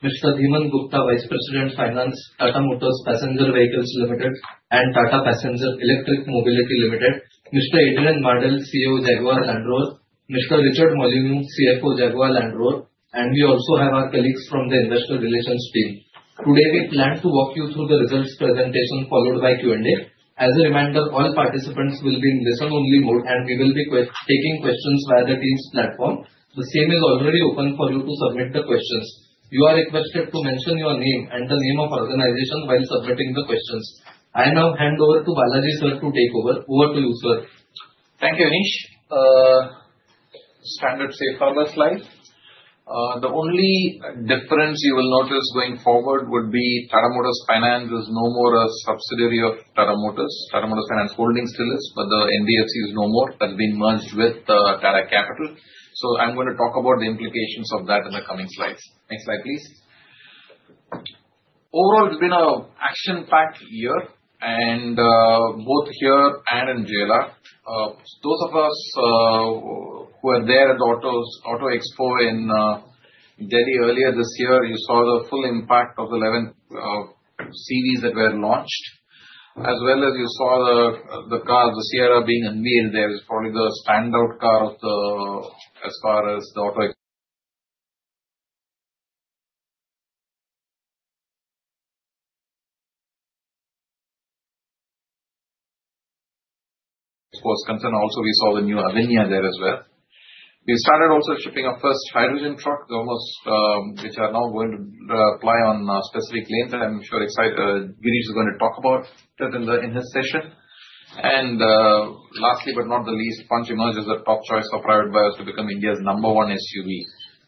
Mr. Dhiman Gupta, Vice President, Finance, Tata Motors Passenger Vehicles Limited and Tata Passenger Electric Mobility Limited, Mr. Adrian Mardell, CEO, Jaguar Land Rover, Mr. Richard Molyneux, CFO, Jaguar Land Rover, and we also have our colleagues from the Industrial Relations team. Today, we plan to walk you through the results presentation followed by Q&A. As a reminder, all participants will be in listen-only mode and we will be taking questions via the Teams platform. The same is already open for you to submit the questions. You are requested to mention your name and the name of the organization while submitting the questions. I now hand over to Balaji, sir to take over. Over to you, sir. Thank you, Anish. Standard safe harbor slide. The only difference you will notice going forward would be Tata Motors Finance, is no more a subsidiary of Tata Motors. Tata Motors Finance Holdings still is, but the NBFC, is no more. That's been merged with Tata Capital. So I'm going to talk about the implications of that in the coming slides. Next slide, please. Overall, it's been an action-packed year, and both here and in JLR. Those of us who were there at the Auto Expo, in Delhi, earlier this year, you saw the full impact of the 11 series, that were launched, as well as you saw the car, the Sierra, being unveiled there, is probably the standout car as far as the Auto Expo. What's concerning also, we saw the new Avinya, there as well. We started also shipping our first hydrogen trucks, which are now going to apply on specific lanes. I'm sure Girish, is going to talk about that in his session. Lastly, but not the least, Punch, emerges as a top choice for private buyers to become India's number one SUV,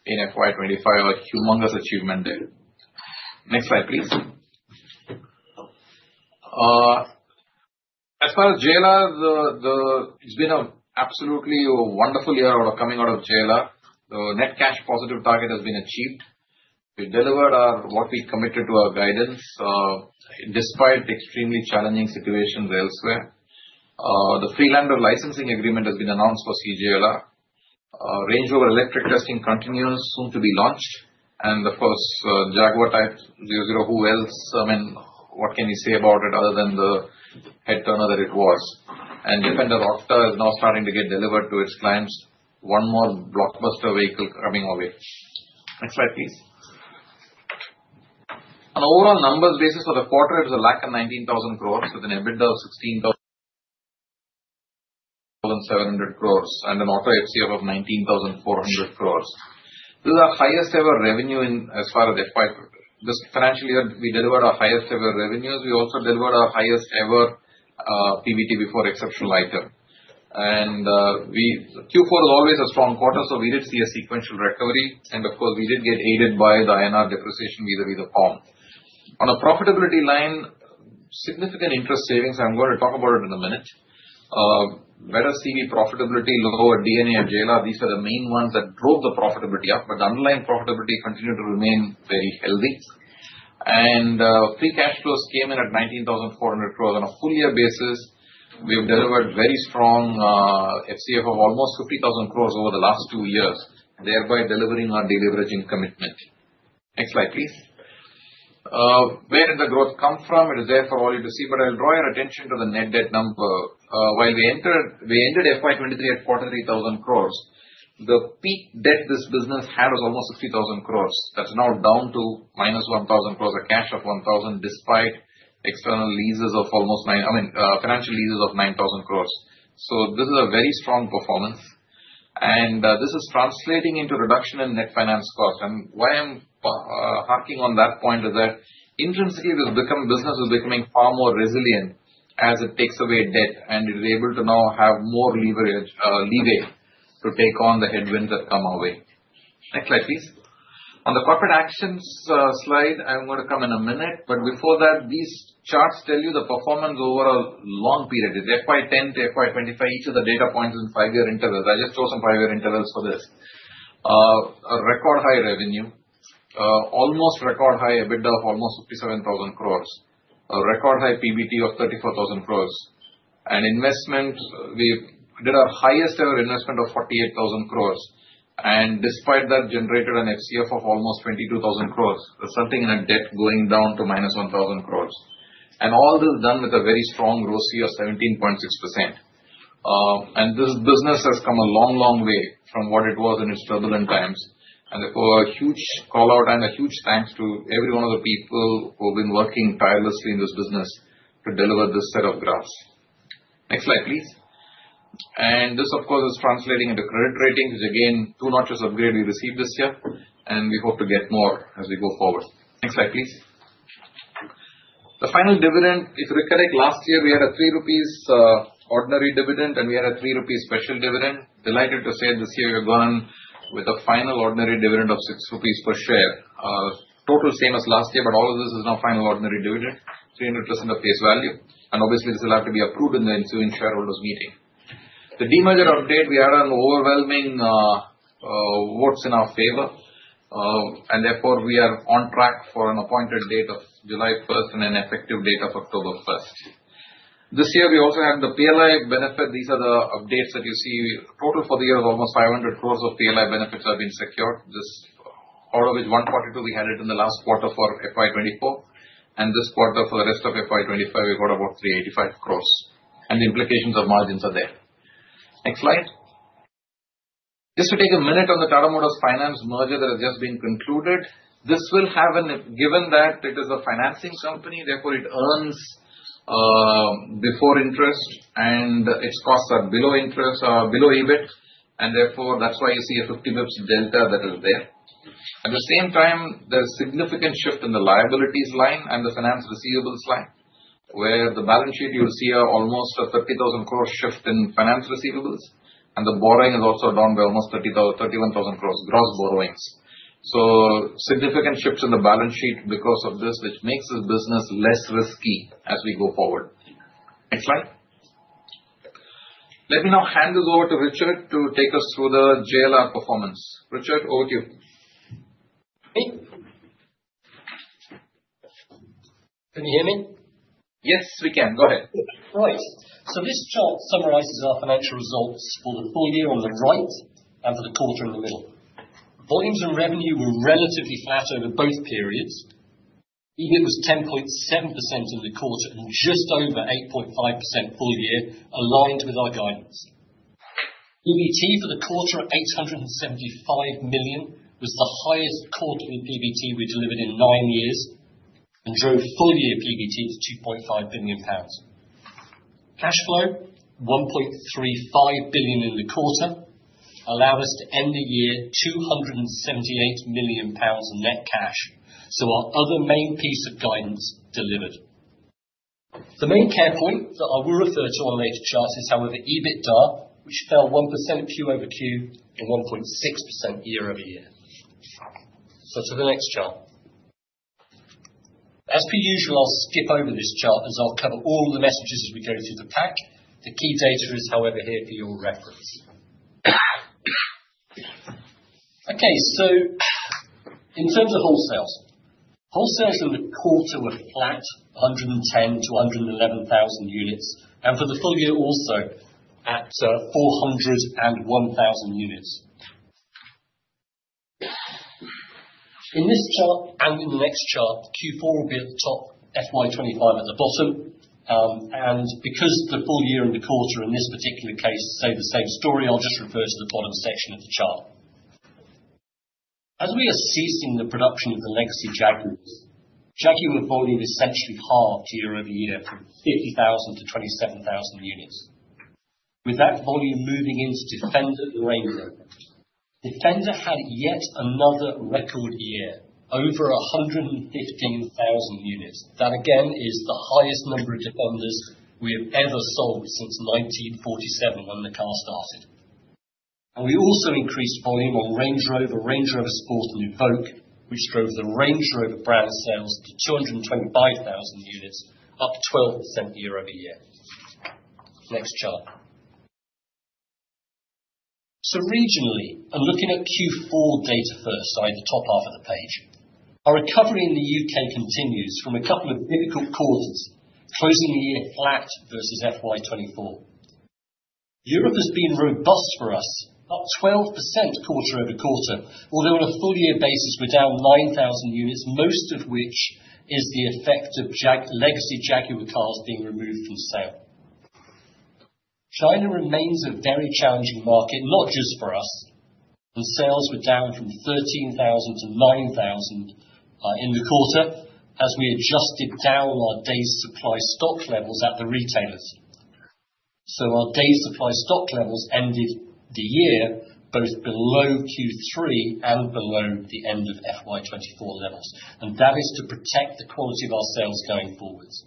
in FY 2025, a humongous achievement there. Next slide, please. As far as JLR, it's been an absolutely wonderful year coming out of JLR. The net cash, positive target has been achieved. We delivered what we committed to our guidance despite extremely challenging situations elsewhere. The Freelander Licensing Agreement, has been announced for CJLR. Range Rover Electric, testing continues, soon to be launched. The first Jaguar Type 00, who else, I mean, what can you say about it other than the head-turner that it was? Defender Octa is now starting to get delivered to its clients. One more blockbuster vehicle coming our way. Next slide, please. On overall numbers basis, for the quarter, it was 19,000 crore, with an EBITDA, of 16,700 crore, and an auto FCF, of 19,400 crore. This is our highest-ever revenue as far as FY. This financial year, we delivered our highest-ever revenues. We also delivered our highest-ever PBT, before exceptional item. Q4, is always a strong quarter, so we did see a sequential recovery. Of course, we did get aided by the INR, depreciation vis-à-vis the pound. On a profitability line, significant interest savings. I'm going to talk about it in a minute. Better CV, profitability, lower D&A, at JLR. These are the main ones that drove the profitability up, but the underlying profitability continued to remain very healthy. Free cash flows came in at 19,400 crore, on a full-year basis. We have delivered very strong FCF, of almost 50,000 crore, over the last two years, thereby delivering our deleveraging commitment. Next slide, please. Where did the growth come from? It is there for all you to see, but I'll draw your attention to the net debt number. While we entered FY, 2023, at 43,000 crore, the peak debt this business had was almost 60,000 crore. That's now down to minus 1,000 crore, a cash of 1,000 crore, despite external leases of almost, I mean, financial leases of 9,000 crore. This is a very strong performance. This is translating into reduction in net finance cost. Why I'm harking on that point is that intrinsically, this business is becoming far more resilient as it takes away debt, and it is able to now have more leeway to take on the headwinds that come our way. Next slide, please. On the corporate actions slide, I'm going to come in a minute, but before that, these charts tell you the performance over a long period. It's FY 2010, to FY 2025, each of the data points, in five-year intervals. I just chose some five-year intervals, for this. Record high revenue, almost record high EBITDA, of almost 57,000 crore, a record high PBT, of 34,000 crore. And investment, we did our highest-ever investment of 48,000 crore, and despite that, generated an FCF, of almost 22,000 crore, resulting in a debt going down to minus 1,000 crore. All this done with a very strong ROCE, of 17.6%. This business has come a long, long way from what it was in its turbulent times. Therefore, a huge call out and a huge thanks to every one of the people who have been working tirelessly in this business to deliver this set of graphs. Next slide, please. This, of course, is translating into credit ratings, which again, two notches of grade, we received this year, and we hope to get more as we go forward. Next slide, please. The final dividend, if you recollect, last year we had an 3 rupees, ordinary dividend, and we had an 3 rupees, special dividend. Delighted to say this year we're going with a final ordinary dividend of 6 rupees per share. Total same as last year, but all of this is now final ordinary dividend, 300%, of face value. Obviously, this will have to be approved in the ensuing shareholders' meeting. The demerger update, we had an overwhelming votes in our favor, and therefore we are on track for an appointed date of July 1, and an effective date of October 1. This year, we also had the PLI benefit. These are the updates that you see. Total for the year is almost 500 crore, of PLI benefits, have been secured, all of which 142 crore, we had it in the last quarter for FY 2024. This quarter, for the rest of FY 2025, we got about 385 crore. The implications of margins, are there. Next slide. Just to take a minute on the Tata Motors Finance, merger that has just been concluded. This will have an, given that it is a financing company, therefore it earns before interest, and its costs are below EBIT, and therefore that's why you see a 50 basis points, delta that is there. At the same time, there's a significant shift in the liabilities line and the finance receivables line, where the balance sheet you'll see almost 30,000 crore, shift in finance receivables, and the borrowing is also down by almost 31,000 crore, gross borrowings. Significant shift in the balance sheet because of this, which makes this business less risky as we go forward. Next slide. Let me now hand this over to Richard ,to take us through the JLR performance. Richard, over to you. Can you hear me? Yes, we can. Go ahead. All right. This chart summarizes our financial results for the full year on the right and for the quarter in the middle. Volumes and revenue, were relatively flat over both periods. EBIT, was 10.7%, in the quarter and just over 8.5%, full year, aligned with our guidance. PBT, for the quarter, of 875 million, was the highest quarterly PBT, we delivered in nine years and drove full-year PBT, to 2.5 billion pounds. Cash flow, 1.35 billion, in the quarter, allowed us to end the year 278 million pounds, in net cash. Our other main piece of guidance delivered. The main care point that I will refer to on later charts is, however, EBITDA, which fell 1%, Q over Q, and 1.6%, year over year. To the next chart. As per usual, I'll skip over this chart as I'll cover all the messages as we go through the pack. The key data is, however, here for your reference. Okay, so in terms of wholesales, wholesales in the quarter were flat, 110,000 to 111,000 units, and for the full year also at 401,000 units. In this chart and in the next chart, Q4, will be at the top, FY 2025, at the bottom. Because the full year and the quarter, in this particular case say the same story, I'll just refer to the bottom section of the chart. As we are ceasing the production of the legacy Jaguars, Jaguar, volume essentially halved year over year from 50,000 to 27,000 units. With that volume moving into Defender and Range Rover, Defender, had yet another record year, over 115,000 units. That again is the highest number of Defenders, we have ever sold since 1947, when the car started. We also increased volume on Range Rover, Range Rover Sport, and Evoque, which drove the Range Rover brand sales, to 225,000 units, up 12%, year over year. Next chart. Regionally, and looking at Q4, data first, at the top half of the page, our recovery in the U.K., continues from a couple of difficult quarters, closing the year flat versus FY 2024. Europe, has been robust for us, up 12%, quarter over quarter, although on a full-year basis, we're down 9,000 units, most of which is the effect of legacy Jaguar cars, being removed from sale. China, remains a very challenging market, not just for us, and sales were down from 13,000 to 9,000, in the quarter, as we adjusted down our day's supply stock levels at the retailers. Our day's supply stock levels ended the year both below Q3, and below the end of FY 2024, levels. That is to protect the quality of our sales going forwards.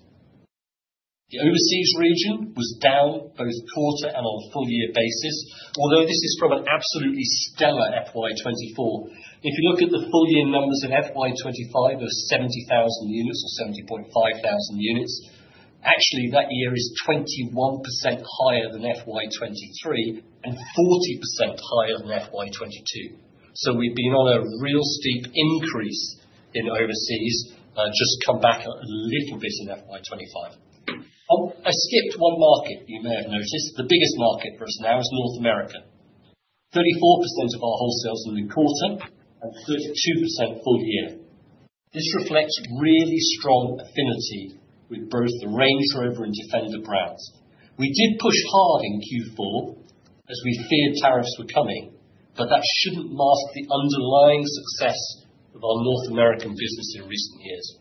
The overseas region was down both quarter and on a full-year basis, although this is from an absolutely stellar FY 2024. If you look at the full-year numbers in FY 2025, there were 70,000 units, or 70.5 thousand units. Actually, that year is 21%, higher than FY 2023, and 40%, higher than FY 2022. We have been on a real steep increase in overseas, just come back a little bit in FY 2025. I skipped one market you may have noticed. The biggest market for us now is North America. 34%, of our wholesales in the quarter and 32%, full year. This reflects really strong affinity with both the Range Rover and Defender brands. We did push hard in Q4, as we feared tariffs were coming, but that should not mask the underlying success of our North American, business in recent years.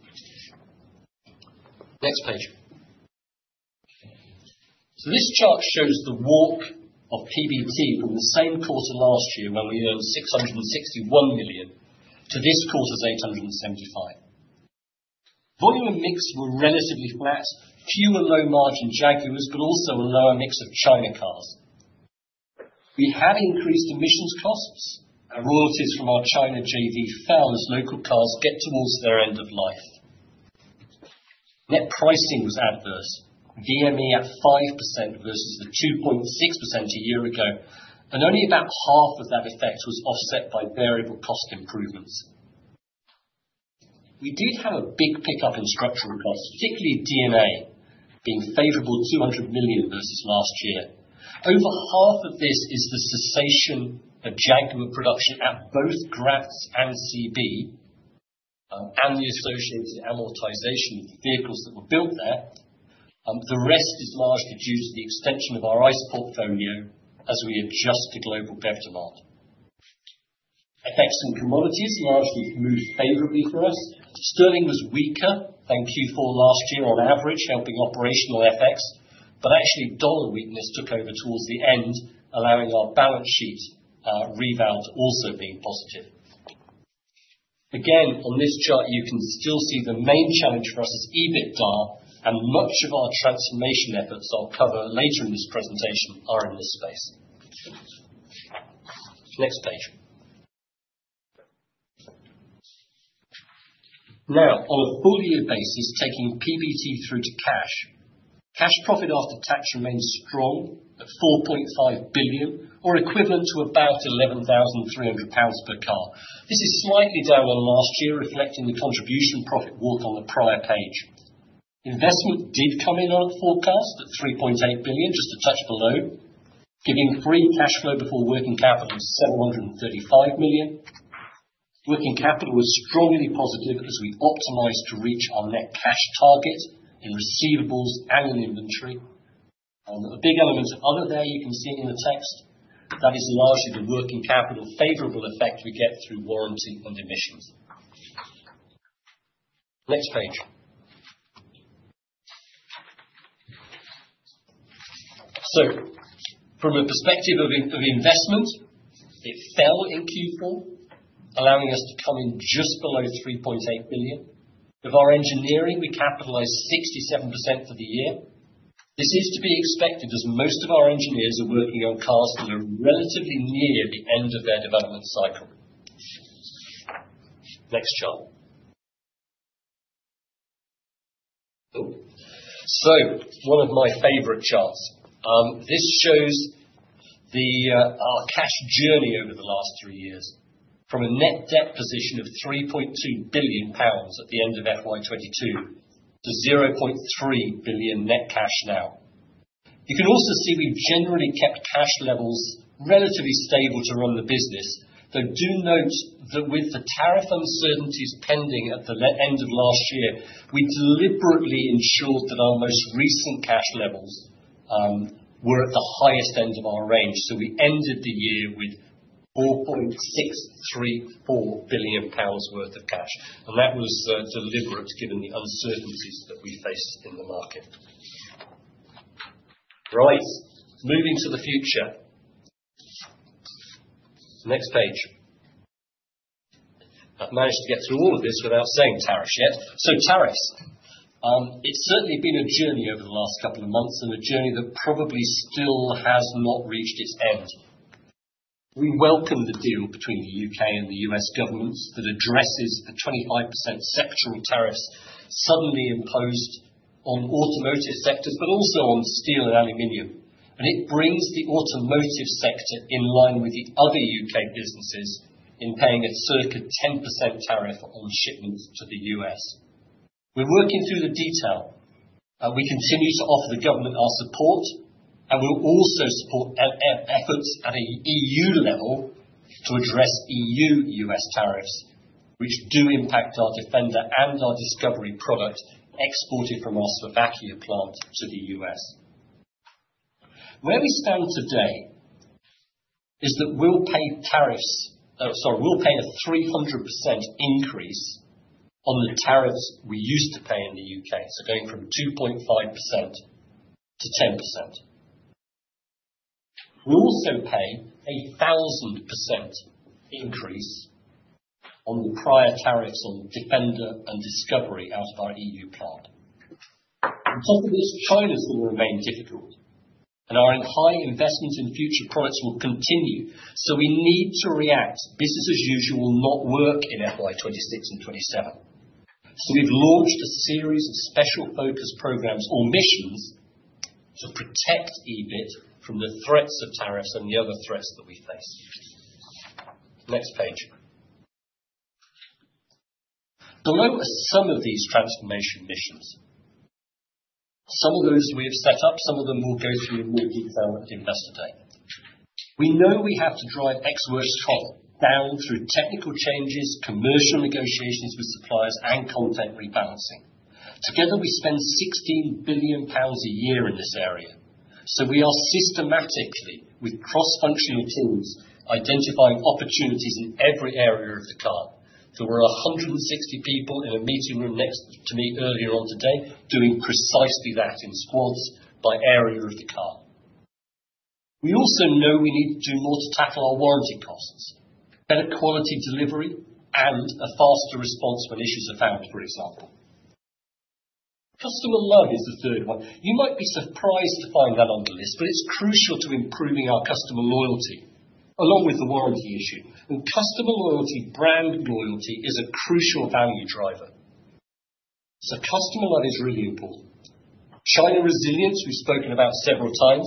Next page. This chart shows the walk of PBT, from the same quarter last year when we earned 661 million, to this quarter's 875 million. Volume and mix, were relatively flat, fewer low-margin Jaguars, but also a lower mix of China cars. We had increased emissions costs. Our royalties from our China JV, fell as local cars get towards their end of life. Net pricing was adverse, VME, at 5%, versus the 2.6%, a year ago, and only about half of that effect was offset by variable cost improvements. We did have a big pickup in structural costs, particularly DNA, being favorable 200 million, versus last year. Over half of this is the cessation of Jaguar production, at both Graz and CB, and the associated amortization of the vehicles that were built there. The rest is largely due to the extension of our ICE portfolio, as we adjust to global PEF, demand. FX, and commodities largely moved favorably for us. Sterling, was weaker than Q4, last year on average, helping operational FX, but actually dollar weakness took over towards the end, allowing our balance sheet revalue to also be positive. Again, on this chart, you can still see the main challenge for us is EBITDA, and much of our transformation efforts I'll cover later in this presentation are in this space. Next page. Now, on a full-year basis, taking PBT, through to cash, cash profit after tax remains strong at 4.5 billion, or equivalent to about 11,300 pounds per car. This is slightly down on last year, reflecting the contribution profit walk on the prior page. Investment did come in on a forecast at 3.8 billion, just a touch below, giving free cash flow before working capital of 735 million. Working capital, was strongly positive as we optimized to reach our net cash target in receivables, and in inventory. A big element of other there you can see in the text, that is largely the working capital, favorable effect we get through warranty and emissions. Next page. From a perspective of investment, it fell in Q4, allowing us to come in just below 3.8 billion. Of our engineering, we capitalized 67%, for the year. This is to be expected as most of our engineers are working on cars that are relatively near the end of their development cycle. Next chart. One of my favorite charts. This shows our cash journey over the last three years from a net debt position, of 3.2 billion pounds, at the end of FY 2022, to 0.3 billion, net cash now. You can also see we've generally kept cash levels relatively stable to run the business, though do note that with the tariff uncertainties pending at the end of last year, we deliberately ensured that our most recent cash levels, were at the highest end of our range. We ended the year with 4.634 billion pounds, worth of cash. That was deliberate given the uncertainties that we faced in the market. Right, moving to the future. Next page. I've managed to get through all of this without saying tariffs yet. Tariffs, it's certainly been a journey over the last couple of months and a journey that probably still has not reached its end. We welcome the deal between the U.K. and the U.S. governments, that addresses the 25%, sectoral tariffs suddenly imposed on automotive sectors, but also on steel and aluminum. It brings the automotive sector in line with the other U.K. businesses, in paying a circa 10%, tariff on shipments to the U.S. We are working through the detail. We continue to offer the government our support, and we will also support efforts at an EU level, to address EU-U.S. tariffs, which do impact our Defender, and our Discovery product, exported from our Slovakia plant to the U.S. Where we stand today is that we will pay tariffs, sorry, we will pay a 300%, increase on the tariffs we used to pay in the U.K., going from 2.5%, to 10%. We will also pay a 1,000%, increase on the prior tariffs on Defender and Discovery, out of our EU plant. On top of this, China's, will remain difficult, and our high investment in future products will continue. We need to react. Business as usual will not work in FY 2026 and 2027. We have launched a series of special focus programs or missions to protect EBIT, from the threats of tariffs and the other threats that we face. Next page. Below are some of these transformation missions. Some of those we have set up, some of them we will go through in more detail at investor day. We know we have to drive exports down through technical changes, commercial negotiations with suppliers, and content rebalancing. Together, we spend 16 billion pounds, a year in this area. We are systematically, with cross-functional teams, identifying opportunities in every area of the car. There were 160 people in a meeting room next to me earlier on today doing precisely that in squads by area of the car. We also know we need to do more to tackle our warranty costs, better quality delivery, and a faster response when issues are found, for example. Customer love, is the third one. You might be surprised to find that on the list, but it's crucial to improving our customer loyalty, along with the warranty issue. Customer loyalty, brand loyalty, is a crucial value driver. Customer love, is really important. China resilience, we've spoken about several times.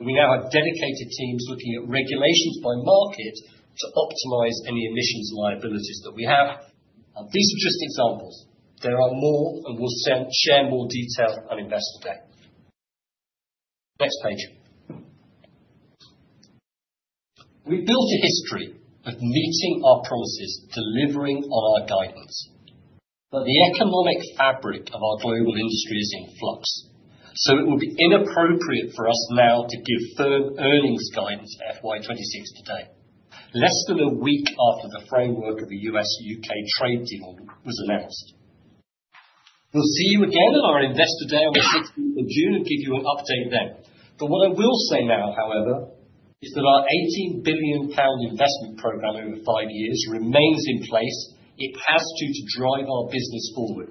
We now have dedicated teams looking at regulations by market to optimize any emissions liabilities that we have. These are just examples. There are more, and we'll share more detail on investor day. Next page. We've built a history of meeting our promises, delivering on our guidance. The economic fabric of our global industry is in flux. It will be inappropriate for us now to give firm earnings guidance at FY 2026, today, less than a week after the framework of the U.S.-U.K. trade deal was announced. We will see you again on our investor day on the 16th of June, and give you an update then. What I will say now, however, is that our 18 billion pound, investment program over five years remains in place. It has to drive our business forward.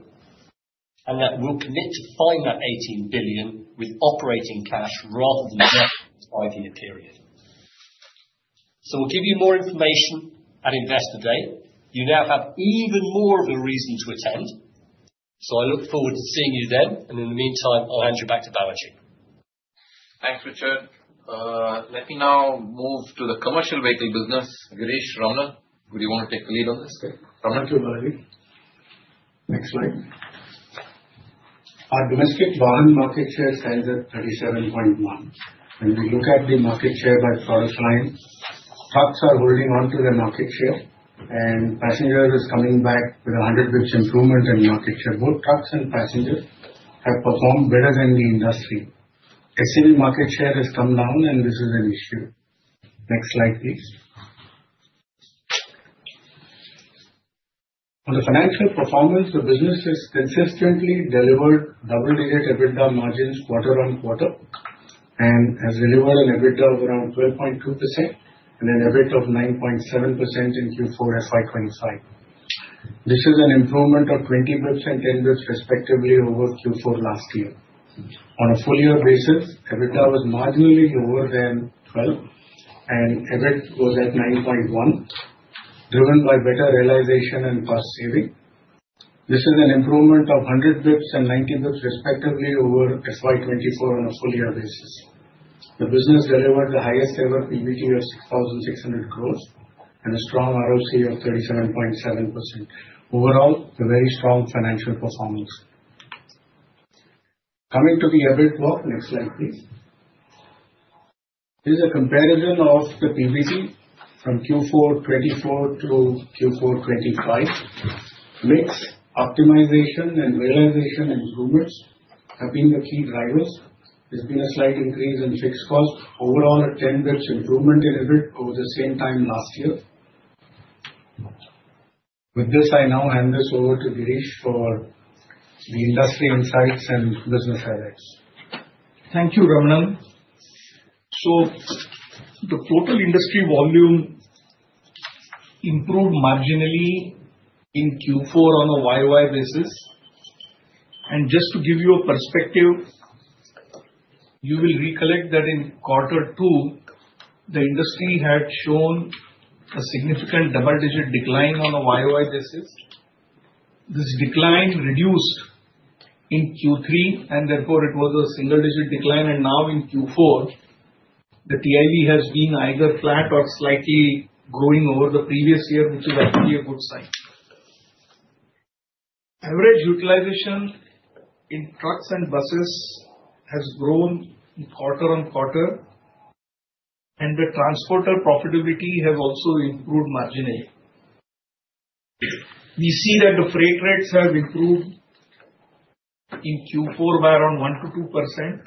We will commit to find that 18 billion, with operating cash, rather than just a five-year period. We will give you more information at investor day. You now have even more of a reason to attend. I look forward to seeing you then. In the meantime, I will hand you back to Balaji. Thanks, Richard. Let me now move to the commercial vehicle business, Girish Ramanan. Would you want to take the lead on this? Thank you, Balaji. Next slide. Our domestic volume market share, stands at 37.1%. When we look at the market share by product line, trucks are holding on to their market share, and passenger is coming back with a 100%, improvement in market share. Both trucks and passenger have performed better than the industry. SUV market share, has come down, and this is an issue. Next slide, please. On the financial performance, the business has consistently delivered double-digit EBITDA margins, quarter on quarter, and has delivered an EBITDA, of around 12.2%, and an EBIT, of 9.7% ,in Q4 FY 2025. This is an improvement of 20 basis points, and 10 basis points, respectively, over Q4 last year. On a full-year basis, EBITDA, was marginally lower than 12, and EBIT, was at 9.1, driven by better realization and cost saving. This is an improvement of 100 basis points, and 90 basis points, respectively, over FY 2024 on a full-year basis. The business delivered the highest-ever PBT, of 6,600 crore, and a strong ROCE, of 37.7%. Overall, a very strong financial performance. Coming to the EBITDA, next slide, please. This is a comparison of the PBT, from Q4 2024 to Q4 2025. Mix, optimization, and realization improvements have been the key drivers. There has been a slight increase in fixed costs. Overall, a 10 basis points, improvement in EBIT, over the same time last year. With this, I now hand this over to Girish, for the industry insights and business headaches. Thank you, Ramanan. The total industry volume improved marginally in Q4 on a year-on-year basis. Just to give you a perspective, you will recollect that in quarter two, the industry had shown a significant double-digit decline on a YOY basis. This decline reduced in Q3, and therefore it was a single-digit decline. Now in Q4, the TIV has been either flat or slightly growing over the previous year, which is actually a good sign. Average utilization in trucks and buses has grown quarter on quarter, and the transporter profitability has also improved marginally. We see that the freight rates have improved in Q4 by around 1-2%,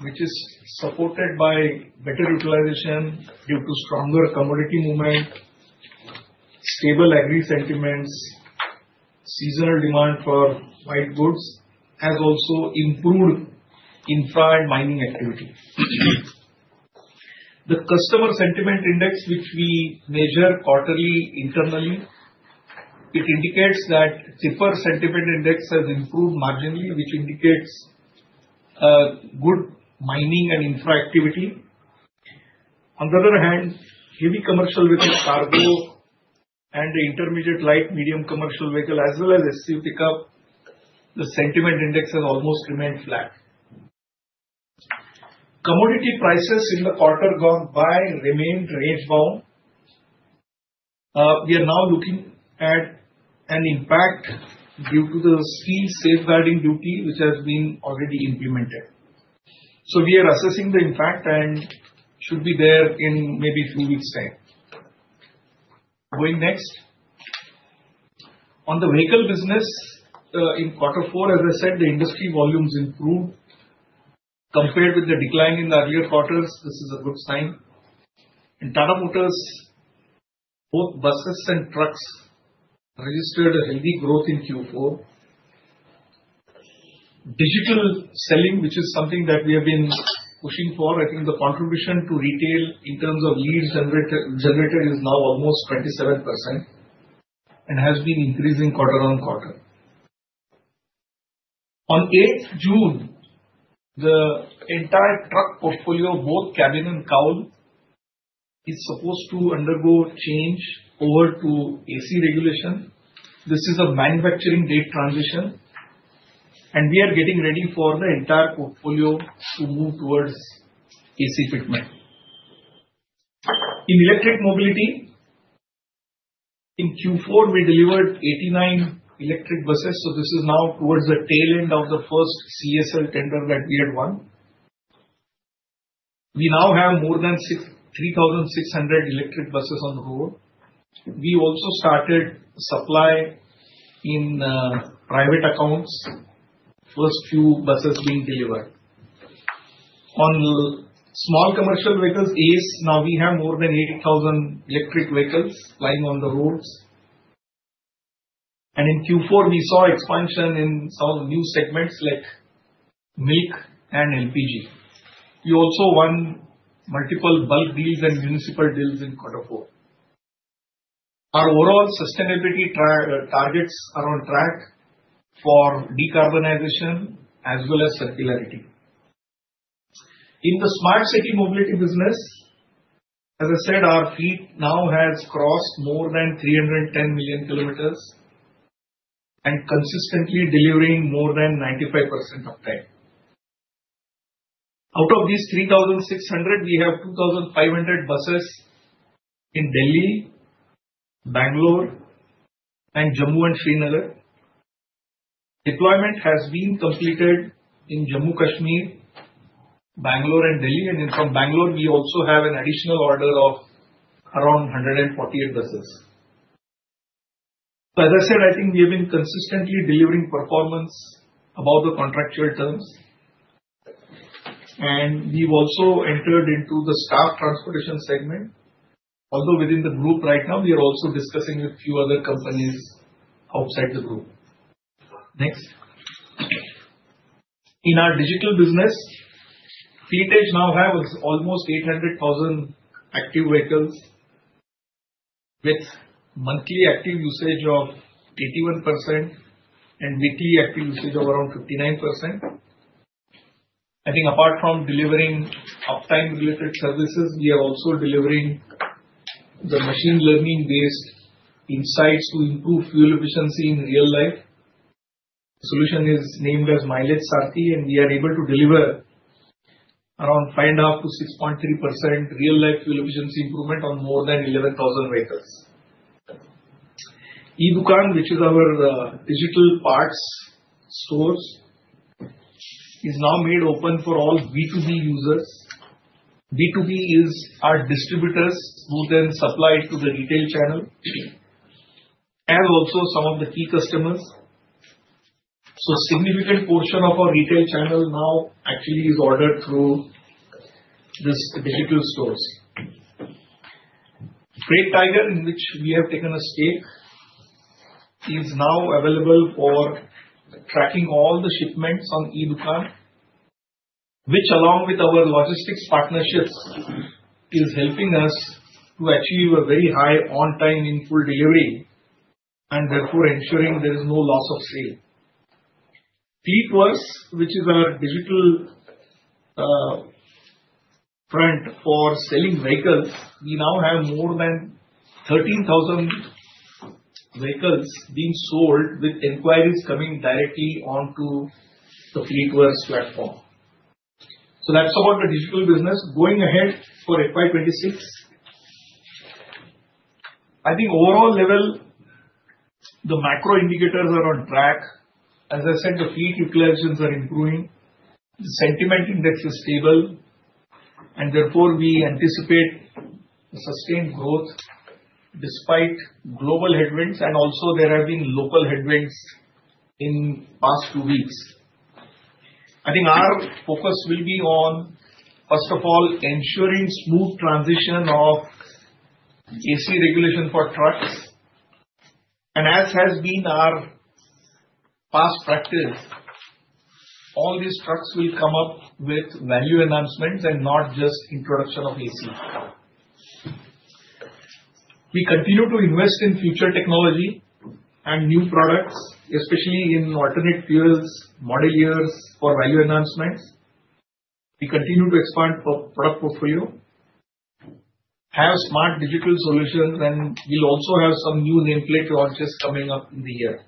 which is supported by better utilization due to stronger commodity movement, stable agri sentiments, seasonal demand for white goods, and also improved infra and mining activity. The customer sentiment index, which we measure quarterly internally, indicates that the tipper sentiment index has improved marginally, which indicates good mining and infra activity. On the other hand, heavy commercial vehicle cargo and intermediate light-medium commercial vehicle, as well as SUV pickup, the sentiment index, has almost remained flat. Commodity prices, in the quarter gone by remained range-bound. We are now looking at an impact due to the steel safeguarding duty, which has been already implemented. We are assessing the impact and should be there in maybe a few weeks' time. Going next. On the vehicle business, in quarter four, as I said, the industry volumes improved. Compared with the decline in the earlier quarters, this is a good sign. Tata Motors, both buses and trucks, registered a heavy growth, in Q4. Digital selling, which is something that we have been pushing for, I think the contribution to retail in terms of leads generated is now almost 27%, and has been increasing quarter on quarter. On 8th June, the entire truck portfolio, both cabin and cowl, is supposed to undergo change over to AC regulation. This is a manufacturing date transition, and we are getting ready for the entire portfolio to move towards AC fitment. In electric mobility, in Q4, we delivered 89 electric buses, so this is now towards the tail end of the first CSL tender, that we had won. We now have more than 3,600 electric buses, on the road. We also started supply in private accounts, first few buses being delivered. On small commercial vehicles, ACE, now we have more than 8,000 electric vehicles, plying on the roads. In Q4, we saw expansion in some new segments like milk and LPG. We also won multiple bulk deals and municipal deals in quarter four. Our overall sustainability targets are on track for decarbonization, as well as circularity. In the smart city mobility business, as I said, our fleet now has crossed more than 310 million kilometers, and consistently delivering more than 95%, of time. Out of these 3,600, we have 2,500 buses, in Delhi, Bangalore, and Jammu and Srinagar. Deployment has been completed in Jammu Kashmir, Bangalore, and Delhi. From Bangalore, we also have an additional order of around 148 buses. As I said, I think we have been consistently delivering performance above the contractual terms. We've also entered into the staff transportation segment. Although within the group right now, we are also discussing with a few other companies outside the group. Next. In our digital business, fleet now has almost 800,000 active vehicles, with monthly active usage of 81%, and weekly active usage of around 59%. I think apart from delivering uptime-related services, we are also delivering the machine learning-based insights to improve fuel efficiency, in real life. The solution is named as Mileage Sarthi, and we are able to deliver around 5.5%-6.3%, real-life fuel efficiency improvement, on more than 11,000 vehicles. eDukan, which is our digital parts stores, is now made open for all B2B users. B2B, is our distributors who then supply to the retail channel and also some of the key customers. A significant portion of our retail channel now actually is ordered through these digital stores. Freight Tiger, in which we have taken a stake, is now available for tracking all the shipments on eDukan, which along with our logistics partnerships is helping us to achieve a very high on-time in full delivery and therefore ensuring there is no loss of sale. Fleetverse, which is our digital front for selling vehicles, we now have more than 13,000 vehicles, being sold with inquiries coming directly onto the Fleetverse platform. That is about the digital business. Going ahead for FY 2026, I think overall level, the macro indicators are on track. As I said, the fleet utilizations are improving. The sentiment index, is stable, and therefore we anticipate sustained growth despite global headwinds. There have also been local headwinds in the past two weeks. I think our focus will be on, first of all, ensuring smooth transition of AC regulation, for trucks. As has been our past practice, all these trucks will come up with value enhancements and not just introduction of AC. We continue to invest in future technology and new products, especially in alternate fuels, modulars for value enhancements. We continue to expand our product portfolio, have smart digital solutions, and we will also have some new nameplate launches coming up in the year.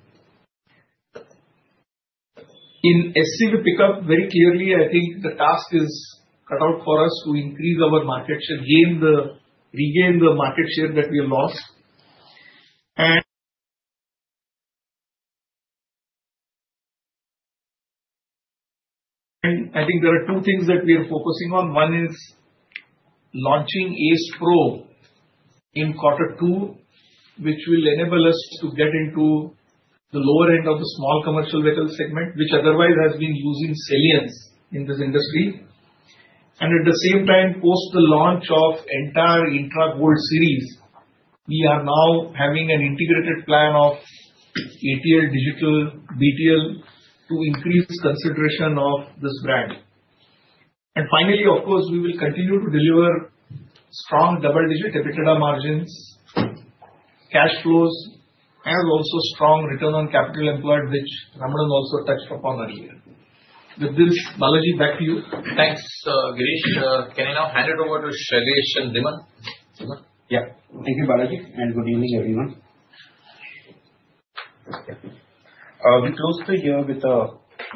In SUV pickup, very clearly, I think the task is cut out for us to increase our market share, regain the market share that we lost. I think there are two things that we are focusing on. One is launching ACE Pro, in quarter two, which will enable us to get into the lower end of the small commercial vehicle segment, which otherwise has been using Seliens, in this industry. At the same time, post the launch of the entire Intra Gold series, we are now having an integrated plan of ATL, Digital, BTL, to increase consideration of this brand. Finally, of course, we will continue to deliver strong double-digit EBITDA margins, cash flows, and also strong return on capital employed, which Ramanan, also touched upon earlier. With this, Balaji, back to you. Thanks, Girish. Can I now hand it over to Shailesh and Dhiman? Yeah. Thank you, Balaji. Good evening, everyone. We closed the year with a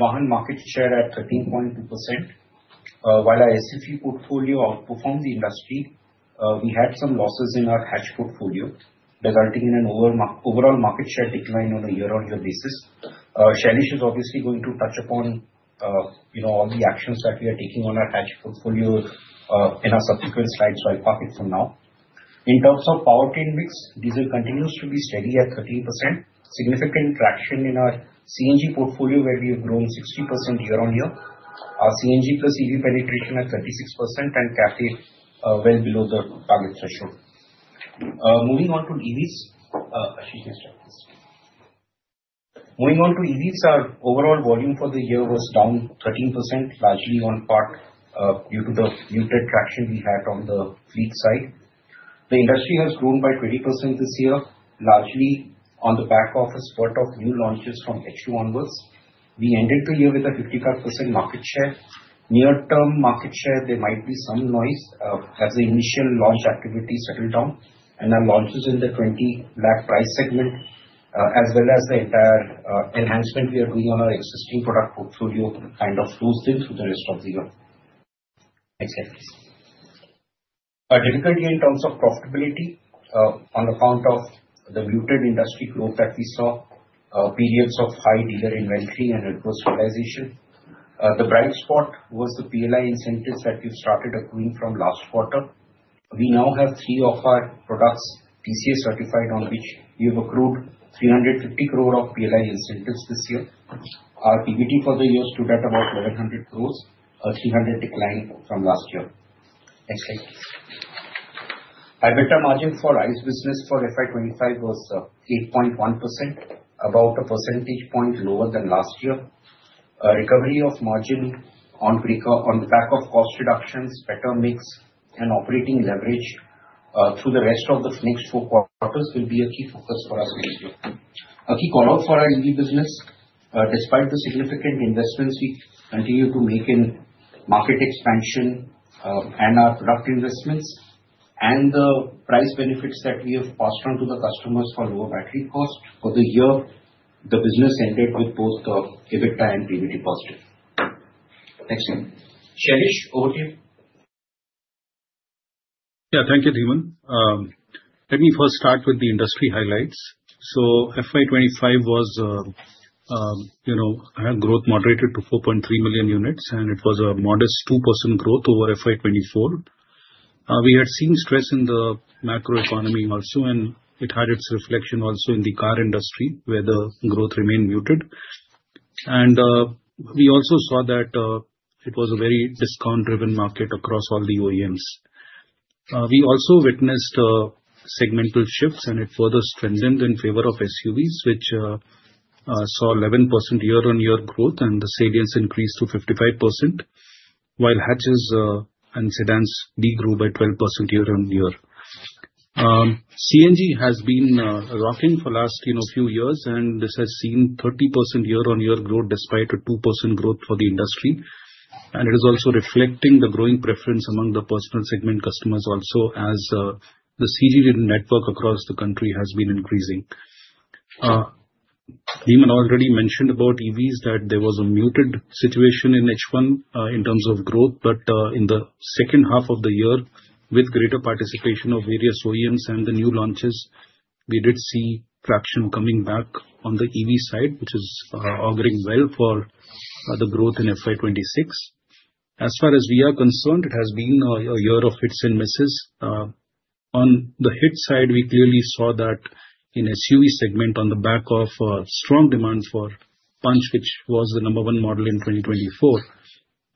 Vahan market share, at 13.2%. While our SUV portfolio, outperformed the industry, we had some losses in our hatch portfolio, resulting in an overall market share decline on a year-on-year basis. Shailesh, is obviously going to touch upon all the actions that we are taking on our hatch portfolio, in our subsequent slides, so I'll park it for now. In terms of powertrain mix, diesel continues to be steady at 13%. Significant traction in our CNG portfolio, where we have grown 60%, year-on-year. Our CNG plus EV penetration, at 36%, and CAFE, well below the target threshold. Moving on to EVs, Ashish, next slide, please. Moving on to EVs, our overall volume for the year was down 13%, largely on part due to the muted traction we had on the fleet side. The industry has grown by 20%, this year, largely on the back of a spurt of new launches from H2 onwards. We ended the year with a 55%, market share. Near-term market share, there might be some noise as the initial launch activity settles down. Our launches in the 20 lakh price segment, as well as the entire enhancement we are doing on our existing product portfolio, kind of flows in through the rest of the year. Next slide, please. Our difficulty in terms of profitability on account of the muted industry growth that we saw, periods of high dealer inventory and adversarialization. The bright spot was the PLI incentives, that we have started accruing from last quarter. We now have three of our products TCA certified, on which we have accrued 350 crore, of PLI incentives, this year. Our PBT, for the year stood at about 1,100 crore, a 300 crore, decline from last year. Next slide, please. EBITDA margin, for ICE business, for FY 2025, was 8.1%, about a percentage point, lower than last year. Recovery of margin, on the back of cost reductions, better mix, and operating leverage through the rest of the next four quarters will be a key focus for us this year. A key callout for our EV business, despite the significant investments we continue to make in market expansion and our product investments and the price benefits that we have passed on to the customers for lower battery cost, for the year, the business ended with both the EBITDA and PBT positive. Next slide. Shailesh, over to you. ] Yeah, thank you, Dhiman. Let me first start with the industry highlights. FY 2025, was a growth moderated to 4.3 million units, and it was a modest 2%, growth over FY 2024. We had seen stress in the macro economy also, and it had its reflection also in the car industry, where the growth remained muted. We also saw that it was a very discount-driven market across all the OEMs. We also witnessed segmental shifts, and it further strengthened in favor of SUVs, which saw 11%, year-on-year growth, and the salience increased to 55%, while hatches and sedans degrew by 12%, year-on-year. CNG has been rocking for the last few years, and this has seen 30%, year-on-year growth despite a 2%, growth for the industry. It is also reflecting the growing preference among the personal segment customers also, as the CNG network,, across the country has been increasing. Dhiman already mentioned about EVs that there was a muted situation in H1, in terms of growth, but in the second half of the year, with greater participation of various OEMs, and the new launches, we did see traction coming back on the EV side, which is auguring well for the growth in FY 2026. As far as we are concerned, it has been a year of hits and misses. On the hit side, we clearly saw that in the SUV segment, on the back of strong demand for Punch, which was the number one model in 2024,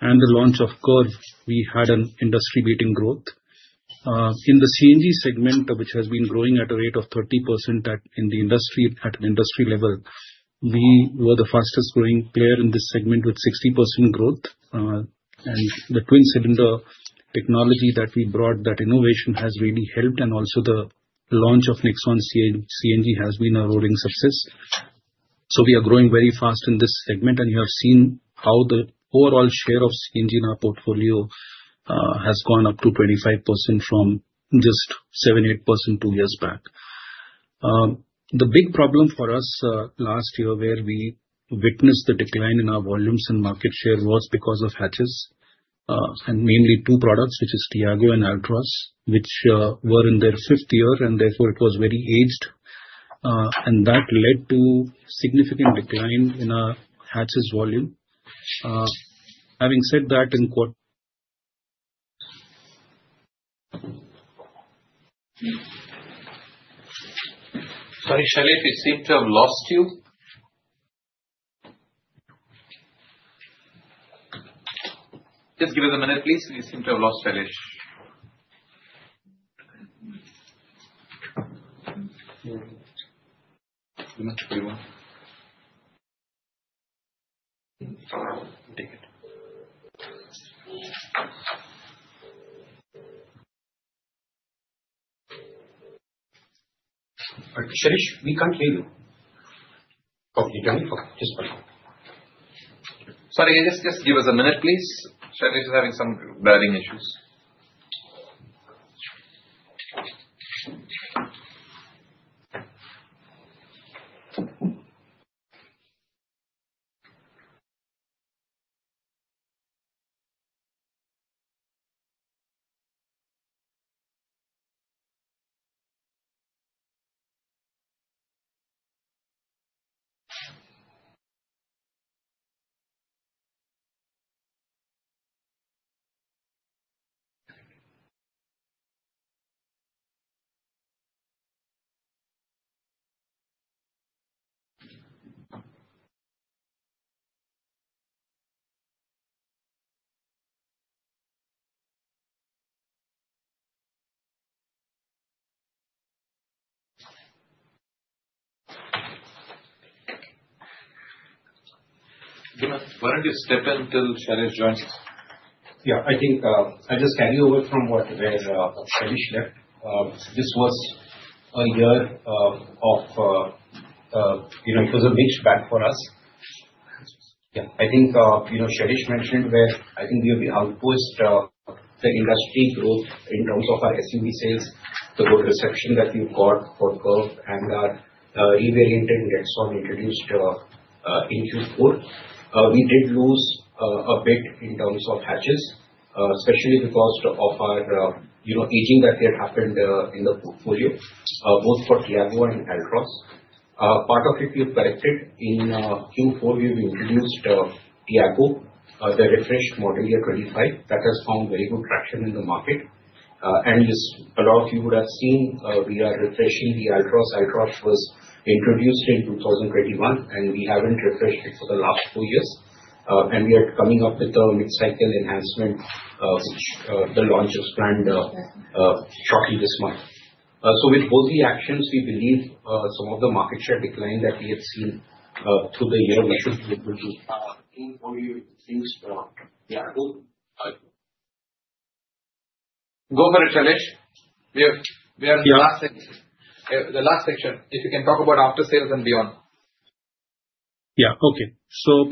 and the launch of Curvv, we had an industry-beating growth. In the CNG segment, which has been growing at a rate of 30%, in the industry at an industry level, we were the fastest-growing player in this segment with 60%, growth. The twin-cylinder technology, that we brought, that innovation has really helped, and also the launch of Nexon CNG, has been a roaring success. We are growing very fast in this segment, and you have seen how the overall share of CNG, in our portfolio has gone up to 25%, from just 7%-8%, two years back. The big problem for us last year where we witnessed the decline in our volumes and market share was because of hatches, and mainly two products, which are Tiago and Altroz, which were in their fifth year, and therefore it was very aged. That led to a significant decline in our hatches volume. Having said that, in quarter— Sorry, Shailesh, we seem to have lost you. Just give us a minute, please. We seem to have lost Shailesh. Shailesh, we can't hear you. Okay, Dhiman, okay, just one moment. Sorry, just give us a minute, please. Shailesh is having some blurring issues. Dhiman, why don't you step in till Shailesh joins? Yeah, I think I'll just carry over from where Shailesh left. This was a year of it was a mixed bag for us. Yeah, I think Shailesh mentioned where I think we have outposted the industry growth in terms of our SUV sales, the good reception that we've got for Curvv, and our e-variant index, on introduced in Q4. We did lose a bit in terms of hatches, especially because of our aging that had happened in the portfolio, both for Tiago and Altroz. Part of it we have corrected. In Q4, we have introduced Tiago, the refreshed Model Year 2025. That has found very good traction in the market. A lot of you would have seen we are refreshing the Altroz. Altroz, was introduced in 2021, and we haven't refreshed it for the last four years. We are coming up with a mid-cycle enhancement, which the launch is planned shortly this month. With both the actions, we believe some of the market share decline that we have seen through the year, we should be able to—I think what you think is—Yeah. Go for it, Shailesh. We are in the last section. The last section, if you can talk about after sales and beyond. Yeah, okay.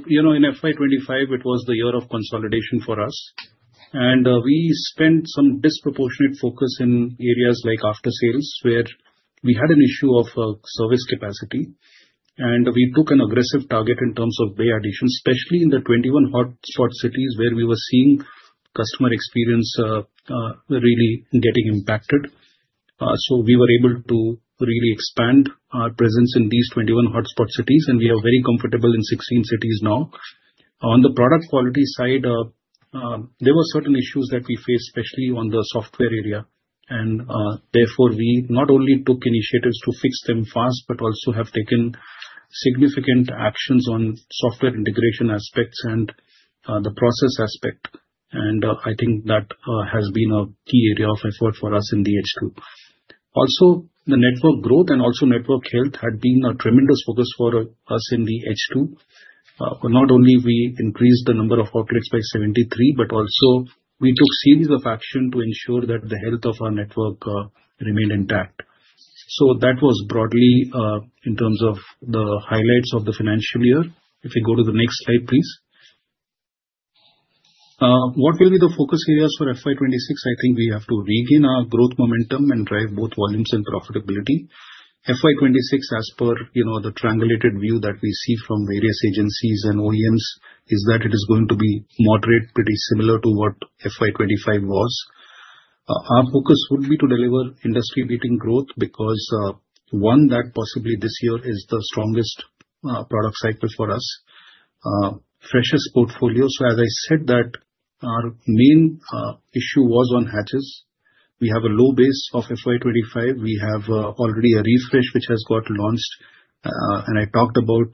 In FY 2025, it was the year of consolidation for us. We spent some disproportionate focus in areas like after sales, where we had an issue of service capacity. We took an aggressive target in terms of bay addition, especially in the 21 hotspot cities, where we were seeing customer experience really getting impacted. We were able to really expand our presence in these 21 hotspot cities, and we are very comfortable in 16 cities, now. On the product quality side, there were certain issues that we faced, especially on the software area. Therefore, we not only took initiatives to fix them fast, but also have taken significant actions on software integration aspects and the process aspect. I think that has been a key area of effort for us in the H2. Also, the network growth and also network health had been a tremendous focus for us in the H2. Not only did we increase the number of outlets by 73, but also we took a series of actions to ensure that the health of our network remained intact. That was broadly in terms of the highlights of the financial year. If you go to the next slide, please. What will be the focus areas for FY 2026? I think we have to regain our growth momentum and drive both volumes and profitability. FY 2026, as per the triangulated view that we see from various agencies and OEMs, is that it is going to be moderate, pretty similar to what FY 2025 was. Our focus would be to deliver industry-beating growth because, one, that possibly this year is the strongest product cycle for us. Freshest portfolio. As I said, our main issue was on hatches. We have a low base of FY 2025. We have already a refresh which has got launched. I talked about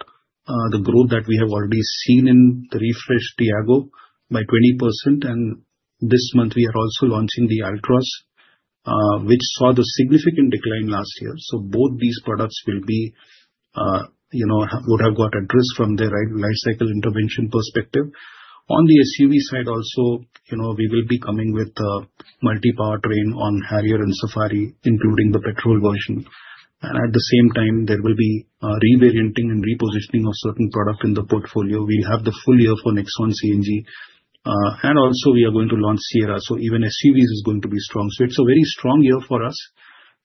the growth that we have already seen in the refreshed Tiago, by 20%. This month, we are also launching the Altroz, which saw the significant decline last year. Both these products will have got addressed from the life cycle intervention perspective. On the SUV, side also, we will be coming with a multi-powertrain on Harrier and Safari, including the petrol version. At the same time, there will be re-varianting and repositioning of certain products in the portfolio. We have the full year for Nexon CNG. Also, we are going to launch Sierra. Even SUVs, is going to be strong. It is a very strong year for us.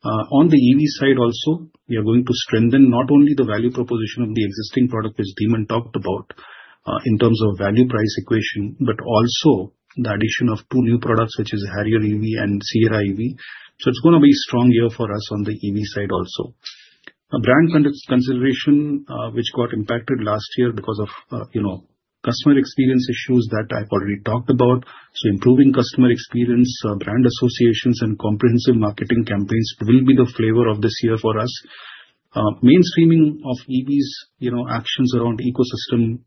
On the EV, side also, we are going to strengthen not only the value proposition of the existing product, which Dhiman talked about in terms of value-price equation, but also the addition of two new products, which are Harrier EV and Sierra EV. It is going to be a strong year for us on the EV, side also. Brand consideration, which got impacted last year because of customer experience issues that I have already talked about. Improving customer experience, brand associations, and comprehensive marketing campaigns will be the flavor of this year for us. Mainstreaming of EVs, actions around ecosystem,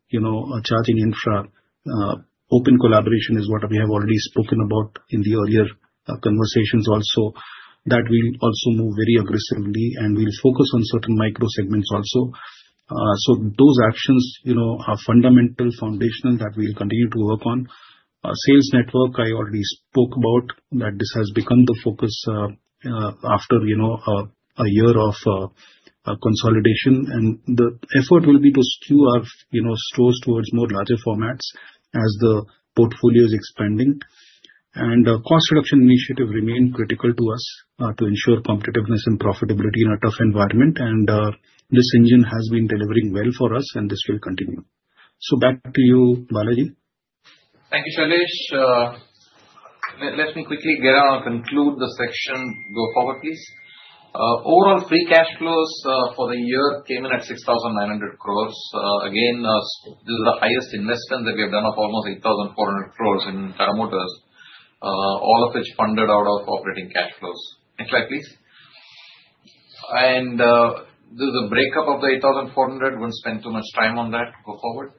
charging infra, open collaboration is what we have already spoken about in the earlier conversations also. That will also move very aggressively, and we will focus on certain micro segments also. Those actions are fundamental, foundational that we will continue to work on. Sales network, I already spoke about that this has become the focus after a year of consolidation. The effort will be to skew our stores towards more larger formats as the portfolio is expanding. Cost reduction initiatives, remain critical to us to ensure competitiveness and profitability in a tough environment. This engine has been delivering well for us, and this will continue. Back to you, Balaji. Thank you, Shailesh. Let me quickly get out and conclude the section. Go forward, please. Overall, free cash flows for the year came in at 6,900 crore. Again, this is the highest investment that we have done of almost 8,400 crore, in Tata Motors, all of which funded out of operating cash flows. Next slide, please. This is a breakup of the 8,400 crore. We will not spend too much time on that. Go forward.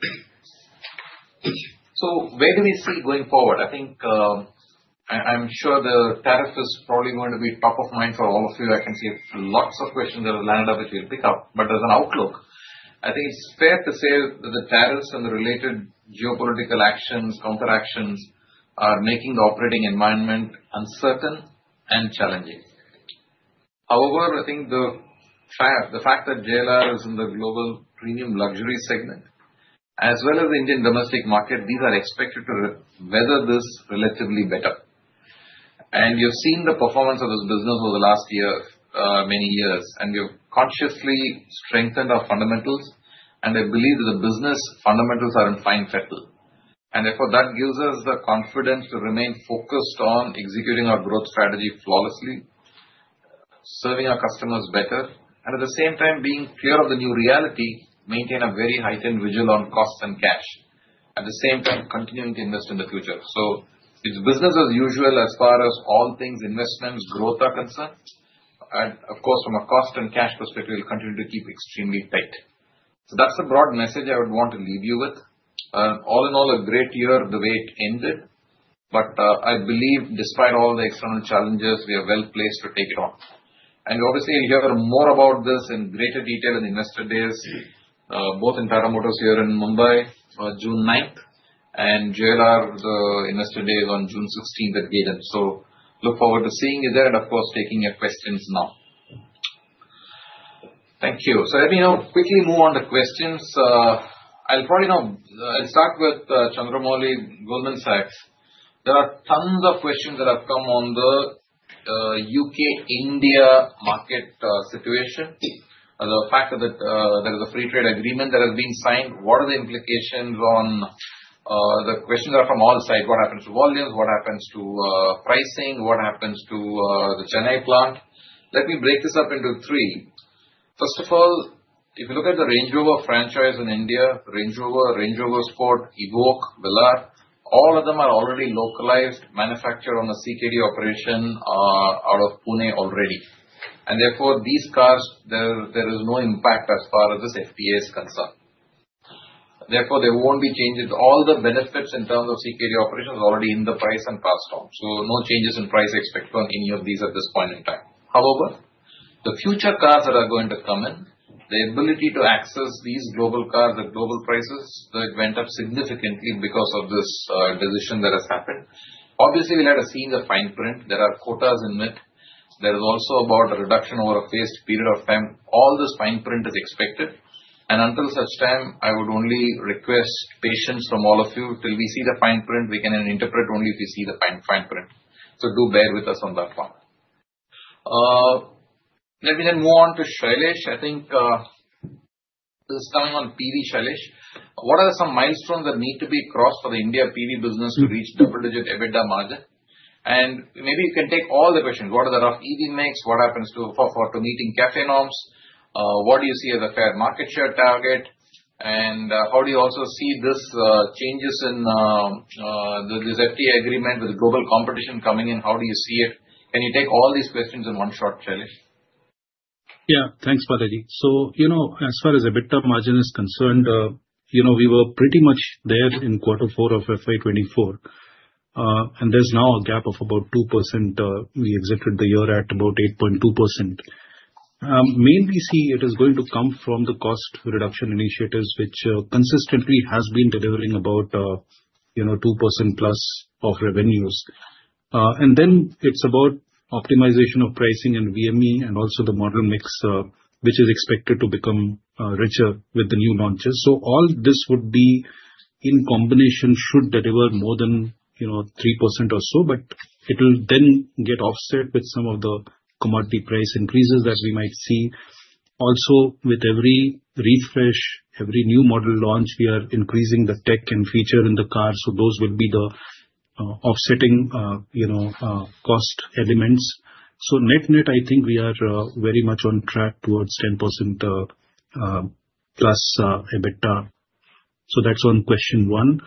Where do we see going forward? I am sure the tariff is probably going to be top of mind for all of you. I can see lots of questions that have landed up, which we will pick up. As an outlook, I think it is fair to say that the tariffs and the related geopolitical actions, counteractions are making the operating environment uncertain and challenging. However, I think the fact that JLR, is in the global premium luxury segment, as well as the Indian domestic market, these are expected to weather this relatively better. We have seen the performance of this business over the last many years. We have consciously strengthened our fundamentals. I believe that the business fundamentals are in fine settle. That gives us the confidence to remain focused on executing our growth strategy flawlessly, serving our customers better, and at the same time being clear of the new reality, maintain a very heightened vigil on costs and cash, at the same time continuing to invest in the future. It is business as usual as far as all things investments, growth are concerned. Of course, from a cost and cash perspective, we will continue to keep extremely tight. That is the broad message I would want to leave you with. All in all, a great year the way it ended. I believe, despite all the external challenges, we are well placed to take it on. Obviously, you'll hear more about this in greater detail in the investor days, both in Tata Motors, here in Mumbai, June 9th, and JLR, the investor day is on June 16th, at Gayden. Look forward to seeing you there and, of course, taking your questions now. Thank you. Let me now quickly move on to questions. I'll start with Chandramoli, Goldman Sachs. There are tons of questions that have come on the U.K.-India market, situation. The fact that there is a free trade agreement that has been signed, what are the implications on the questions that are from all sides? What happens to volumes? What happens to pricing? What happens to the Chennai plant? Let me break this up into three. First of all, if you look at the Range Rover franchise in India, Range Rover, Range Rover Sport, Evoque, Velar, all of them are already localized, manufactured on a CKD operation, out of Pune already. Therefore, these cars, there is no impact as far as this FTA, is concerned. Therefore, there won't be changes. All the benefits in terms of CKD, operations are already in the price and passed on. No changes in price expected on any of these at this point in time. However, the future cars that are going to come in, the ability to access these global cars at global prices, that went up significantly because of this decision that has happened. Obviously, we'll have to see the fine print. There are quotas in it. There is also about a reduction over a phased period of time. All this fine print is expected. Until such time, I would only request patience from all of you. Until we see the fine print, we can interpret only if we see the fine print. Do bear with us on that part. Let me then move on to Shailesh. I think this is coming on PV, Shailesh. What are some milestones that need to be crossed for the India PV, business to reach double-digit EBITDA margin? Maybe you can take all the questions. What are the rough EV, mix? What happens to meeting CAFE, norms? What do you see as a fair market share target? How do you also see these changes in this FTA agreement, with global competition coming in? How do you see it? Can you take all these questions in one shot, Shailesh? Yeah, thanks, Balaji. As far as EBITDA margin, is concerned, we were pretty much there in Q4 of FY 2024. There's now a gap of about 2%. We executed the year at about 8.2%. Mainly, we see it is going to come from the cost reduction initiatives, which consistently has been delivering about 2%, plus of revenues. Then it's about optimization of pricing and VME, and also the model mix, which is expected to become richer with the new launches. All this would be, in combination, should deliver more than 3%, or so. It will then get offset with some of the commodity price increases that we might see. Also, with every refresh, every new model launch, we are increasing the tech and feature in the car. Those will be the offsetting cost elements. Net-net, I think we are very much on track towards 10%+ EBITDA. That is on question one.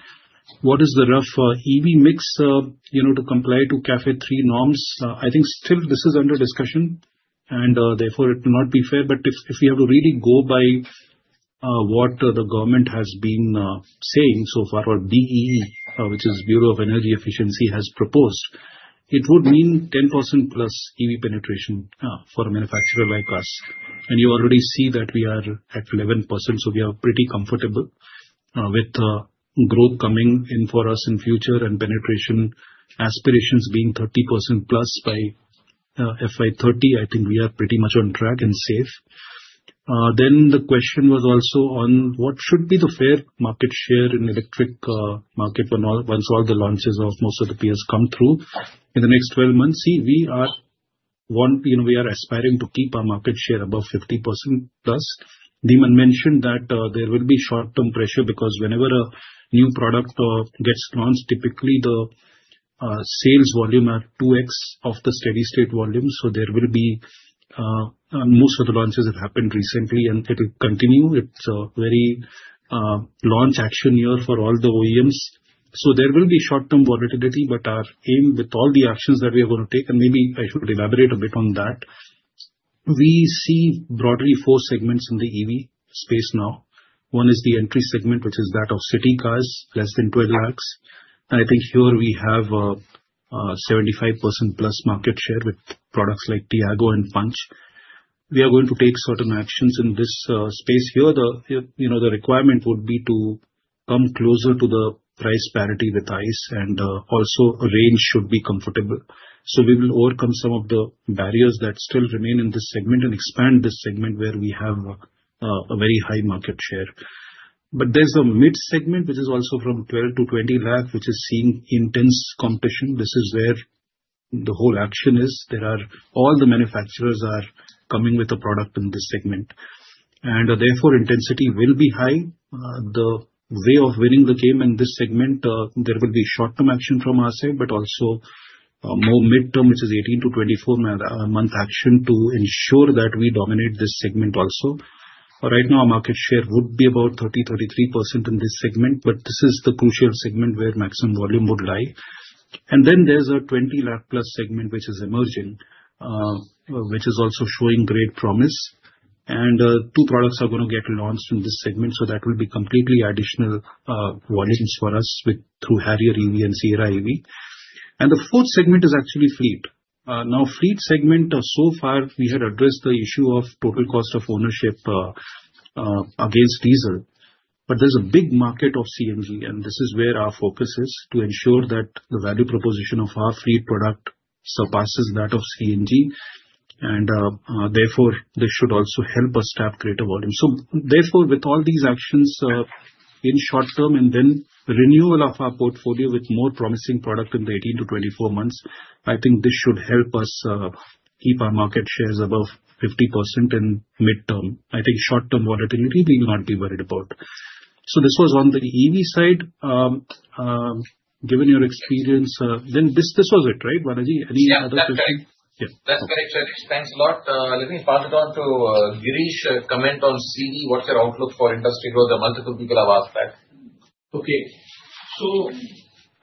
What is the rough EV mix, to comply to CAFE 3 norms? I think still this is under discussion. Therefore, it will not be fair. If we have to really go by what the government has been saying so far, or BEE, which is Bureau of Energy Efficiency, has proposed, it would mean 10%+ EV,, penetration for a manufacturer like us. You already see that we are at 11%. We are pretty comfortable with growth coming in for us in future and penetration aspirations being 30%+ by FY 2030. I think we are pretty much on track and safe. The question was also on what should be the fair market share, in the electric market once all the launches of most of the PS, come through in the next 12 months. We are aspiring to keep our market share above 50%, plus. Dhiman mentioned that there will be short-term pressure because whenever a new product gets launched, typically the sales volume are 2x of the steady-state volume. Most of the launches have happened recently, and it will continue. It is a very launch action year for all the OEMs. There will be short-term volatility. Our aim with all the actions that we are going to take, and maybe I should elaborate a bit on that, we see broadly four segments in the EV space now. One is the entry segment, which is that of city cars, less than 1.2 million. I think here we have a 75%+ market share, with products like Tiago and Punch. We are going to take certain actions in this space here. The requirement would be to come closer to the price parity with ICE. Also, a range should be comfortable. We will overcome some of the barriers that still remain in this segment and expand this segment where we have a very high market share. There is a mid-segment, which is also from 1,200,000-2,000,000, which is seeing intense competition. This is where the whole action is. All the manufacturers are coming with a product in this segment. Therefore, intensity will be high. The way of winning the game in this segment, there will be short-term action from our side, but also more mid-term, which is 18-24 month, action to ensure that we dominate this segment also. Right now, our market share would be about 30-33%, in this segment. This is the crucial segment where maximum volume would lie. There is a 2 million, plus segment, which is emerging, which is also showing great promise. Two products are going to get launched in this segment. That will be completely additional volumes for us through Harrier EV and Sierra EV. The fourth segment is actually fleet. Now, fleet segment, so far, we had addressed the issue of total cost of ownership against diesel. There is a big market of CNG. This is where our focus is to ensure that the value proposition of our fleet product surpasses that of CNG. Therefore, this should also help us tap greater volume. Therefore, with all these actions in short term and then renewal of our portfolio, with more promising product in the 18-24 months, I think this should help us keep our market shares above 50%, in mid-term. I think short-term volatility, we will not be worried about. This was on the EV side. Given your experience, then this was it, right, Balaji? Any other questions? Yeah. That's correct, Shailesh. Thanks a lot. Let me pass it on to Girish. Comment on CV, what's your outlook for industry growth? Multiple people have asked that. Okay.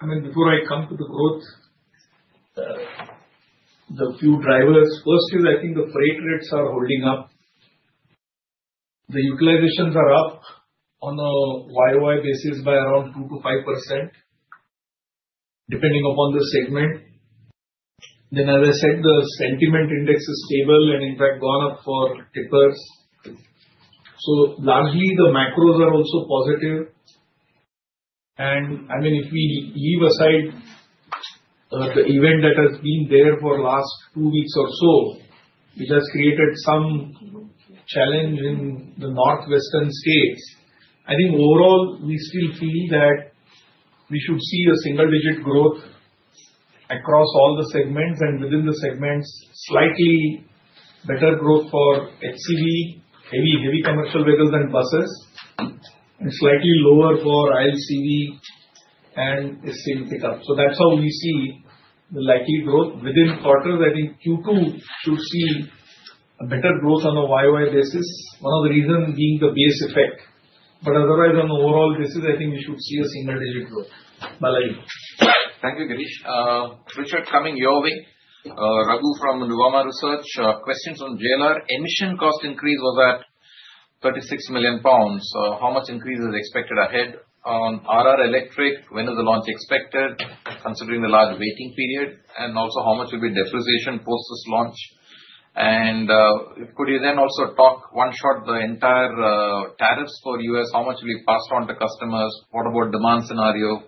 I mean, before I come to the growth, the few drivers. First is, I think the freight rates are holding up. The utilizations are up on a year-on-year basis by around 2-5%, depending upon the segment. As I said, the sentiment index is stable and, in fact, gone up for tippers. Largely, the macros are also positive. I mean, if we leave aside the event that has been there for the last two weeks or so, which has created some challenge in the northwestern states, I think overall, we still feel that we should see a single-digit growth, across all the segments and within the segments, slightly better growth for HCV, heavy commercial vehicles and buses, and slightly lower for ILCV and SCV pickup. That is how we see the likely growth. Within quarters, I think Q2, should see a better growth on a YOI basis, one of the reasons being the base effect. Otherwise, on the overall basis, I think we should see a single-digit growth. Balaji. Thank you, Girish. Richard, coming your way. Raghu, from Nuvama Research. Questions on JLR. Emission cost increase was at 36 million pounds. How much increase is expected ahead on RR Electric? When is the launch expected, considering the large waiting period? Also, how much will be depreciation post this launch? Could you then also talk one shot the entire tariffs for U.S.? How much will be passed on to customers? What about demand scenario?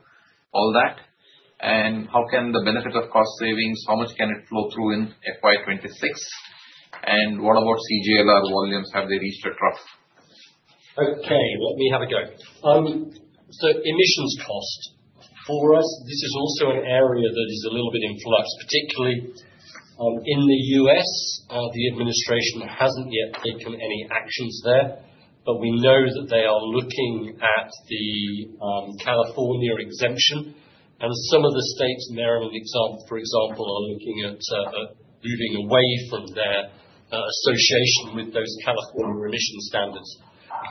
All that. How can the benefit of cost savings, how much can it flow through in FY 2026? What about CJLR, volumes? Have they reached a trough? Okay. Let me have a go. Emissions cost for us, this is also an area that is a little bit in flux, particularly in the U.S. The administration has not yet taken any actions there. We know that they are looking at the California, exemption. Some of the states in Maryland, for example, are looking at moving away from their association with those California, emission standards.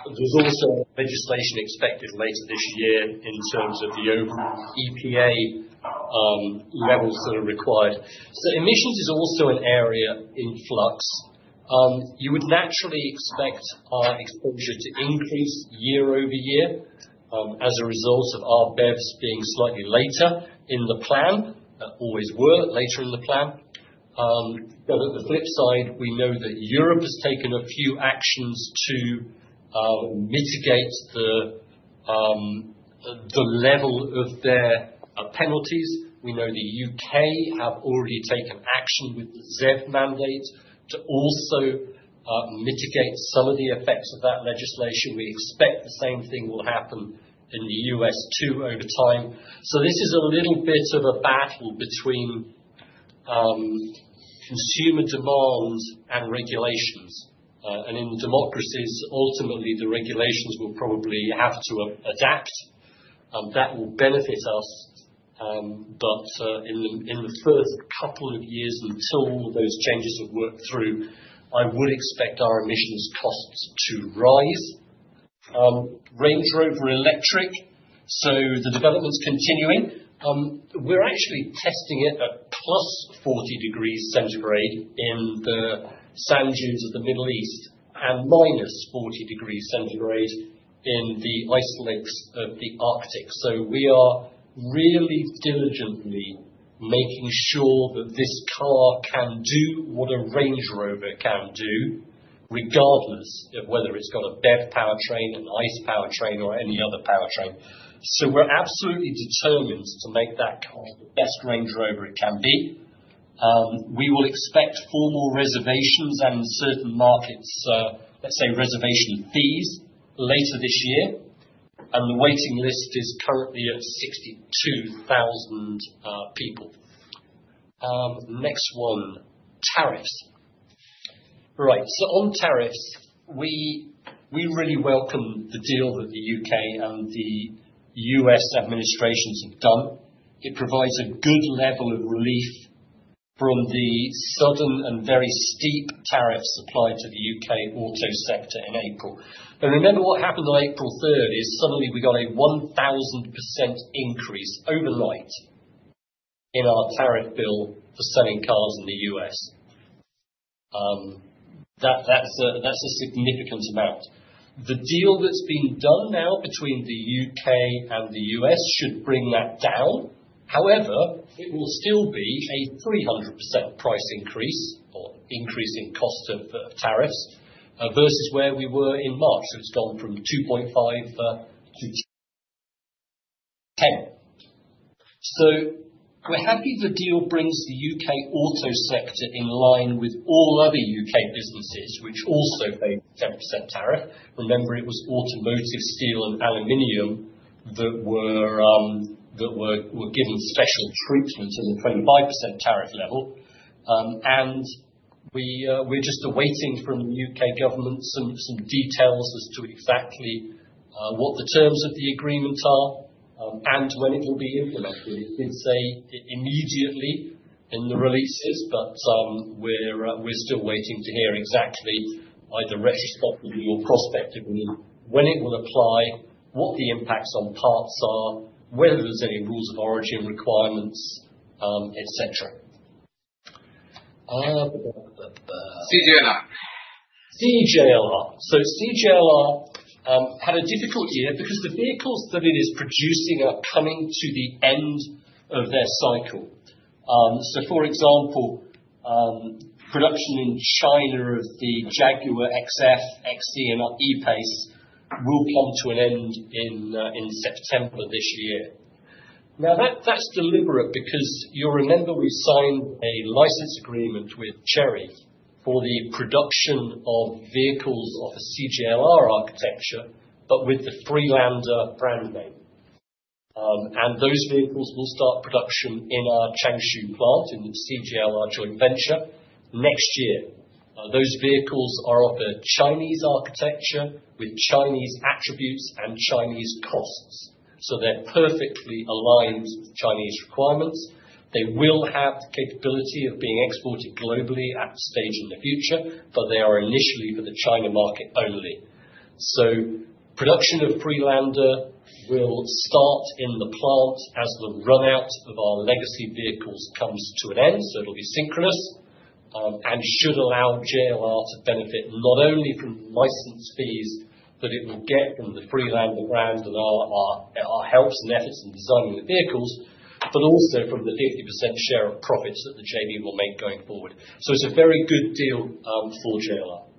There is also legislation expected later this year in terms of the overall EPA levels, that are required. Emissions, is also an area in flux. You would naturally expect our exposure to increase year over year as a result of our BEVs, being slightly later in the plan. Always were later in the plan. At the flip side, we know that Europe, has taken a few actions to mitigate the level of their penalties. We know the U.K. have already taken action with the ZEV, mandate to also mitigate some of the effects of that legislation. We expect the same thing will happen in the U.S. too over time. This is a little bit of a battle between consumer demands and regulations. In democracies, ultimately, the regulations will probably have to adapt. That will benefit us. In the first couple of years until those changes have worked through, I would expect our emissions costs to rise. Range Rover Electric. The development's continuing. We're actually testing it at plus 40 degrees Celsius, in the sand dunes of the Middle East, and minus 40 degrees Celsius, in the ice lakes of the Arctic. We are really diligently making sure that this car can do what a Range Rover, can do, regardless of whether it's got a BEV, powertrain, an ICE powertrain, or any other powertrain. We are absolutely determined to make that car the best Range Rover it can be. We will expect formal reservations and certain markets, let's say reservation fees, later this year. The waiting list is currently at 62,000 people. Next one, tariffs. Right. On tariffs, we really welcome the deal that the U.K. and the U.S. administrations have done. It provides a good level of relief from the sudden and very steep tariffs applied to the U.K. auto sector in April. Remember what happened on April 3, is suddenly we got a 1,000%, increase overnight in our tariff bill for selling cars in the U.S. That's a significant amount. The deal that's been done now between the U.K. and the U.S. should bring that down. However, it will still be a 300%, price increase or increase in cost of tariffs versus where we were in March. It's gone from 2.5% to 10%. We're happy the deal brings the U.K. auto sector in line with all other U.K. businesses, which also pay 10%, tariff. Remember, it was automotive, steel, and aluminum, that were given special treatment in the 25%, tariff level. We are just awaiting from the U.K. government some details as to exactly what the terms of the agreement are and when it will be implemented. It did say immediately in the releases, but we are still waiting to hear exactly either retrospectively or prospectively when it will apply, what the impacts on parts are, whether there are any rules of origin requirements, etc. CJLR. CJLR, had a difficult year because the vehicles that it is producing are coming to the end of their cycle. For example, production in China, of the Jaguar XF, XE, and E-Pace, will come to an end in September, this year. Now, that's deliberate because you'll remember we signed a license agreement with Chery, for the production of vehicles of a CJLR architecture, but with the Freelander, brand name. Those vehicles will start production in our Changshu plant, in the CJLR joint venture, next year. Those vehicles are of a Chinese architecture, with Chinese attributes and Chinese costs. They are perfectly aligned with Chinese requirements. They will have the capability of being exported globally at a stage in the future, but they are initially for the China market only. Production of Freelander, will start in the plant as the run-out of our legacy vehicles comes to an end. It'll be synchronous and should allow JLR, to benefit not only from license fees, that it will get from the Freelander brand, and our helps and efforts in designing the vehicles, but also from the 50% share, of profits, that the JV, will make going forward. It is a very good deal for JLR.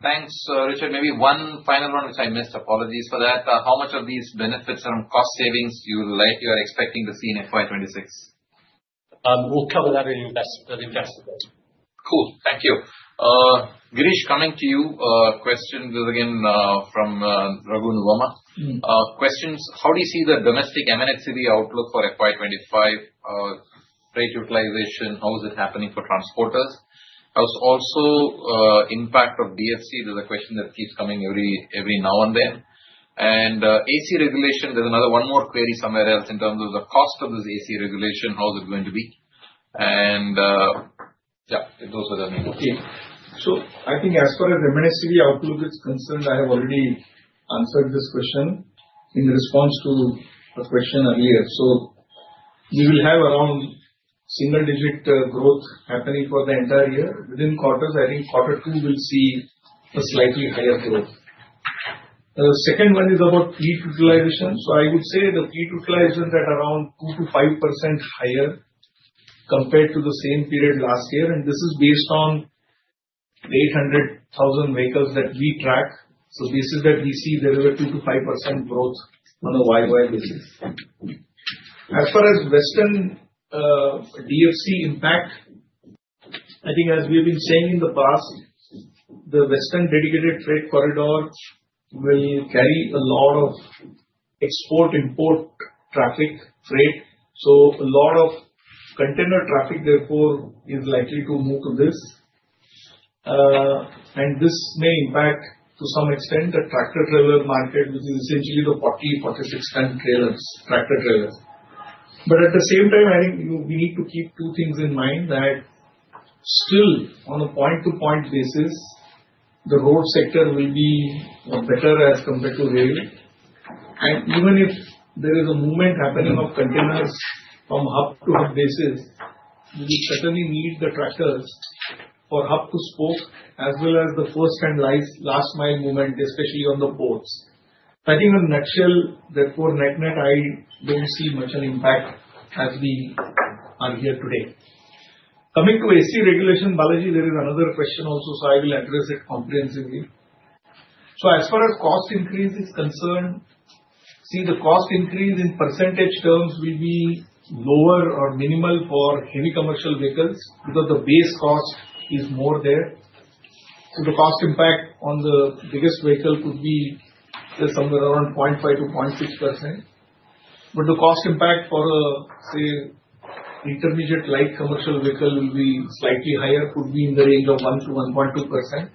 Thanks, Richard. Maybe one final one, which I missed. Apologies for that. How much of these benefits and cost savings, are you expecting to see in FY 2026? We'll cover that at investment day. Cool. Thank you. Girish, coming to you. Question, was again from Raghu Nuvama. Question is, how do you see the domestic M&A CV outlook, for FY 2025? Freight utilization, how is it happening for transporters? Also, impact of DFC, there's a question that keeps coming every now and then. AC regulation, there's another one more query somewhere else in terms of the cost of this AC regulation. How is it going to be? Yeah, those were the main questions. I think as far as M&A CV outlook, is concerned, I have already answered this question in response to a question earlier. We will have around single-digit growth happening for the entire year. Within quarters, I think quarter two will see a slightly higher growth. The second one is about fleet utilization. I would say the fleet utilization is at around 2-5%, higher compared to the same period last year. This is based on the 800,000 vehicles, that we track. We see there is a 2-5% growth, on a YOI basis. As far as Western DFC impact, I think as we have been saying in the past, the Western Dedicated Freight Corridor, will carry a lot of export-import traffic freight. A lot of container traffic, therefore, is likely to move to this. This may impact to some extent the tractor-trailer market, which is essentially the 40, 46-ton tractor-trailers. At the same time, I think we need to keep two things in mind: still on a point-to-point basis, the road sector will be better as compared to rail. Even if there is a movement happening of containers from hub-to-hub basis, we will certainly need the tractors for hub-to-spoke as well as the first-and-last-mile movement, especially on the ports. I think in a nutshell, therefore, net-net, I do not see much an impact as we are here today. Coming to AC regulation, Balaji, there is another question also, so I will address it comprehensively. As far as cost increase is concerned, see, the cost increase in percentage terms will be lower or minimal for heavy commercial vehicles because the base cost is more there. The cost impact on the biggest vehicle could be somewhere around 0.5-0.6%. The cost impact for a, say, intermediate light commercial vehicle will be slightly higher, could be in the range of 1-1.2%.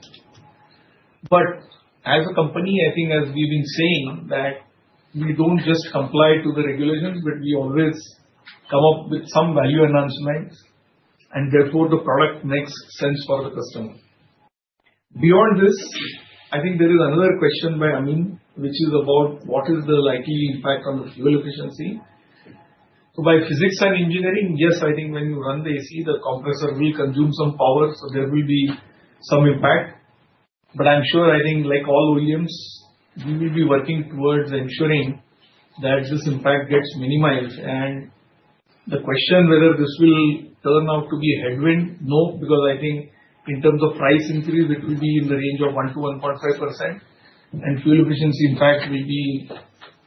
As a company, I think, as we've been saying, that we do not just comply to the regulations, but we always come up with some value enhancements. Therefore, the product makes sense for the customer. Beyond this, I think there is another question by Amin, which is about what is the likely impact on the fuel efficiency. By physics and engineering, yes, I think when you run the AC, the compressor will consume some power. There will be some impact. I'm sure, I think, like all OEMs, we will be working towards ensuring that this impact gets minimized. The question whether this will turn out to be a headwind, no, because I think in terms of price increase, it will be in the range of 1-1.5%. Fuel efficiency, in fact, will be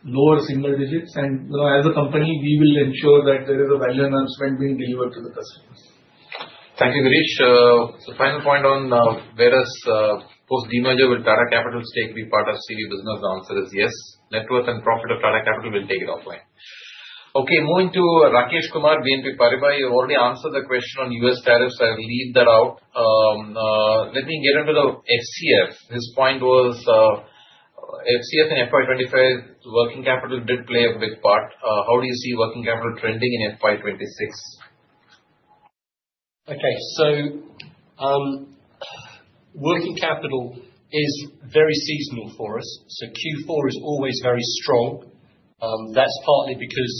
lower single digits. As a company, we will ensure that there is a value enhancement being delivered to the customers. Thank you, Girish. The final point on whereas post-demerger will Tata Capital stake, be part of CV business, the answer is yes. Net worth and profit of Tata Capital, will take it offline. Moving to Rakesh Kumar, BNP Paribas. You already answered the question on U.S. tariffs. I'll leave that out. Let me get into the FCF. His point was FCF and FY 2025, working capital did play a big part. How do you see working capital trending in FY 2026? Okay. Working capital, is very seasonal for us. Q4, is always very strong. That's partly because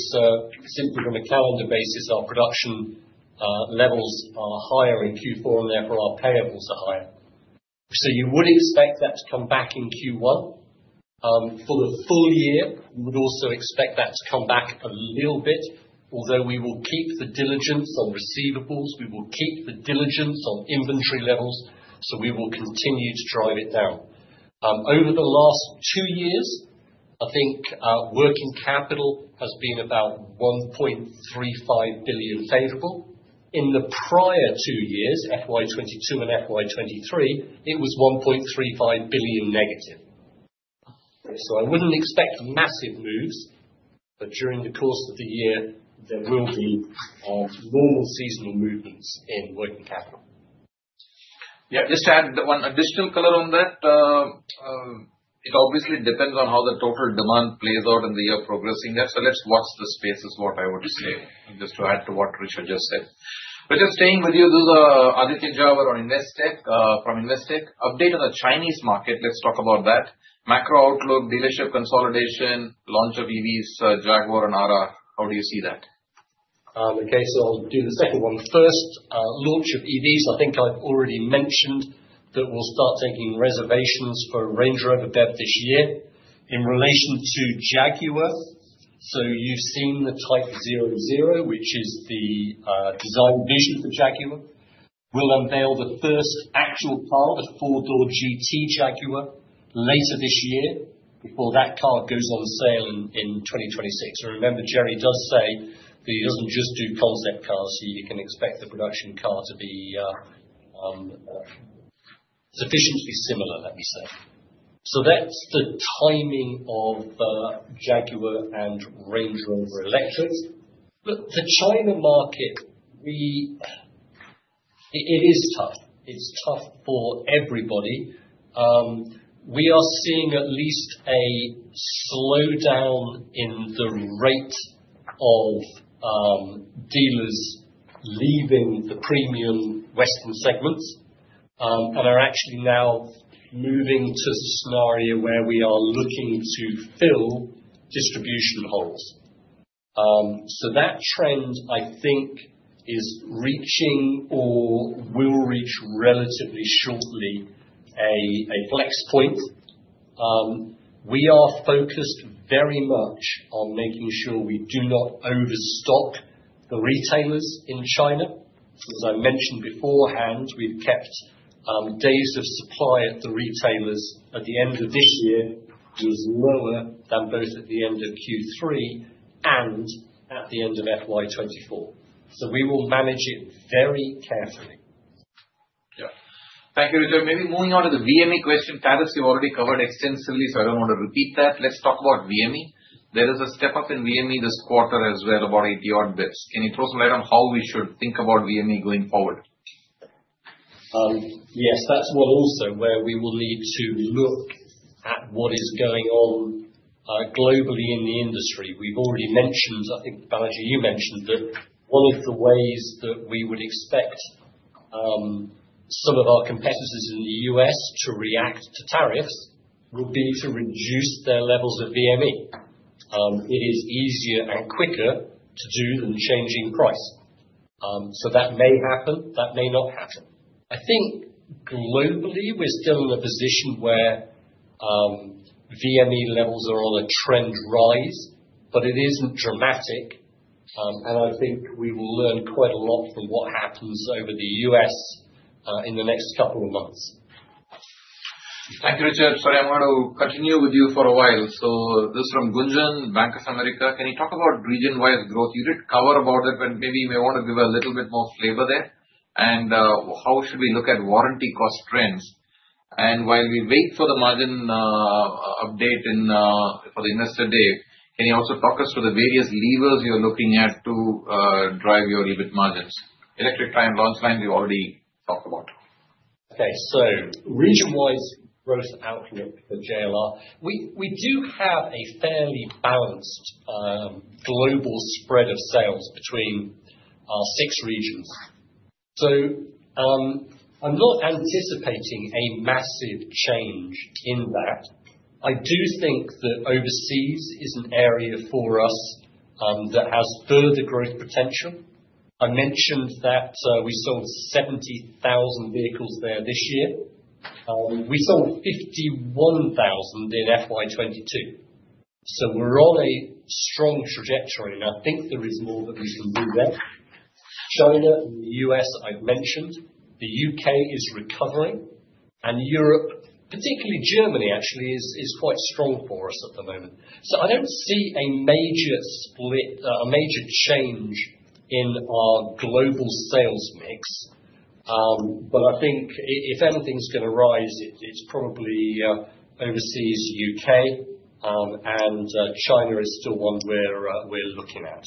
simply from a calendar basis, our production levels are higher in Q4, and therefore, our payables are higher. You would expect that to come back in Q1. For the full year, we would also expect that to come back a little bit. Although we will keep the diligence on receivables, we will keep the diligence on inventory levels. We will continue to drive it down. Over the last two years, I think working capital, has been about $1.35 billion, favorable. In the prior two years, FY 2022 and FY 2023, it was 1.35 billion, negative. I would not expect massive moves. During the course of the year, there will be normal seasonal movements in working capital. Yeah. Just to add one additional color on that, it obviously depends on how the total demand plays out in the year progressing there. Let's watch the space is what I would say, just to add to what Richard, just said. Richard, staying with you, those are Aditya Jhawar, on Investec, from Investec. Update on the Chinese market, let's talk about that. Macro outlook, dealership consolidation, launch of EVs, Jaguar and Ara. How do you see that? Okay. I will do the second one first, launch of EVs. I think I have already mentioned that we will start taking reservations for Range Rover Electric, this year in relation to Jaguar. You have seen the Type 00, which is the design vision for Jaguar. We will unveil the first actual car, the four-door GT Jaguar, later this year before that car goes on sale in 2026. Remember, Jerry, does say that he does not just do concept cars. You can expect the production car to be sufficiently similar, let me say. That is the timing of Jaguar and Range Rover Electric. Look, the China market, it is tough. It is tough for everybody. We are seeing at least a slowdown in the rate of dealers leaving the premium Western segments, and are actually now moving to a scenario where we are looking to fill distribution holes. That trend, I think, is reaching or will reach relatively shortly a flex point. We are focused very much on making sure we do not overstock the retailers in China. As I mentioned beforehand, we've kept days of supply at the retailers at the end of this year was lower than both at the end of Q3, and at the end of FY 2024. We will manage it very carefully. Thank you, Richard. Maybe moving on to the VME, question. Tariffs you've already covered extensively, so I do not want to repeat that. Let's talk about VME. There is a step-up in VME, this quarter as well, about 80-odd basis points. Can you throw some light on how we should think about VME, going forward? Yes. That is one also where we will need to look at what is going on globally in the industry. We've already mentioned, I think, Balaji, you mentioned that one of the ways that we would expect some of our competitors in the U.S. to react to tariffs will be to reduce their levels of VME. It is easier and quicker to do than changing price. That may happen. That may not happen. I think globally, we're still in a position where VME levels. are on a trend rise, but it isn't dramatic. I think we will learn quite a lot from what happens over the U.S. in the next couple of months. Thank you, Richard. Sorry, I'm going to continue with you for a while. This is from Gunjan, Bank of America. Can you talk about region-wide growth? You did cover about it, but maybe you may want to give a little bit more flavor there. How should we look at warranty cost trends? While we wait for the margin update for the investor day, can you also talk us to the various levers you're looking at to drive your EBIT margins? Electric, try and launch lines we have already talked about. Okay. Region-wide growth outlook for JLR. We do have a fairly balanced global spread of sales between our six regions. I am not anticipating a massive change in that. I do think that overseas is an area for us that has further growth potential. I mentioned that we sold 70,000 vehicles, there this year. We sold 51,000, in FY 2022. We are on a strong trajectory. I think there is more that we can do there. China, and the U.S., I have mentioned. The U.K. is recovering. Europe, particularly Germany, actually is quite strong for us at the moment. I do not see a major change in our global sales mix. If anything is going to rise, it is probably overseas, U.K. China, is still one we are looking at.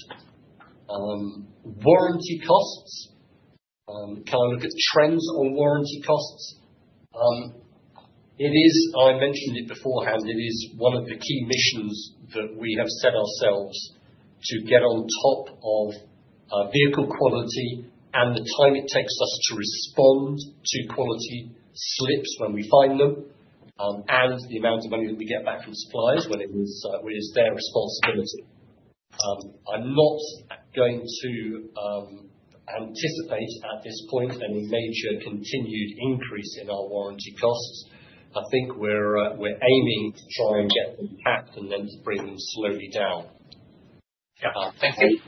Warranty costs. Can I look at trends on warranty costs? I mentioned it beforehand. It is one of the key missions that we have set ourselves to get on top of vehicle quality, and the time it takes us to respond to quality slips when we find them and the amount of money that we get back from suppliers when it is their responsibility. I'm not going to anticipate at this point any major continued increase in our warranty costs. I think we're aiming to try and get them capped and then to bring them slowly down. Yeah. Thank you.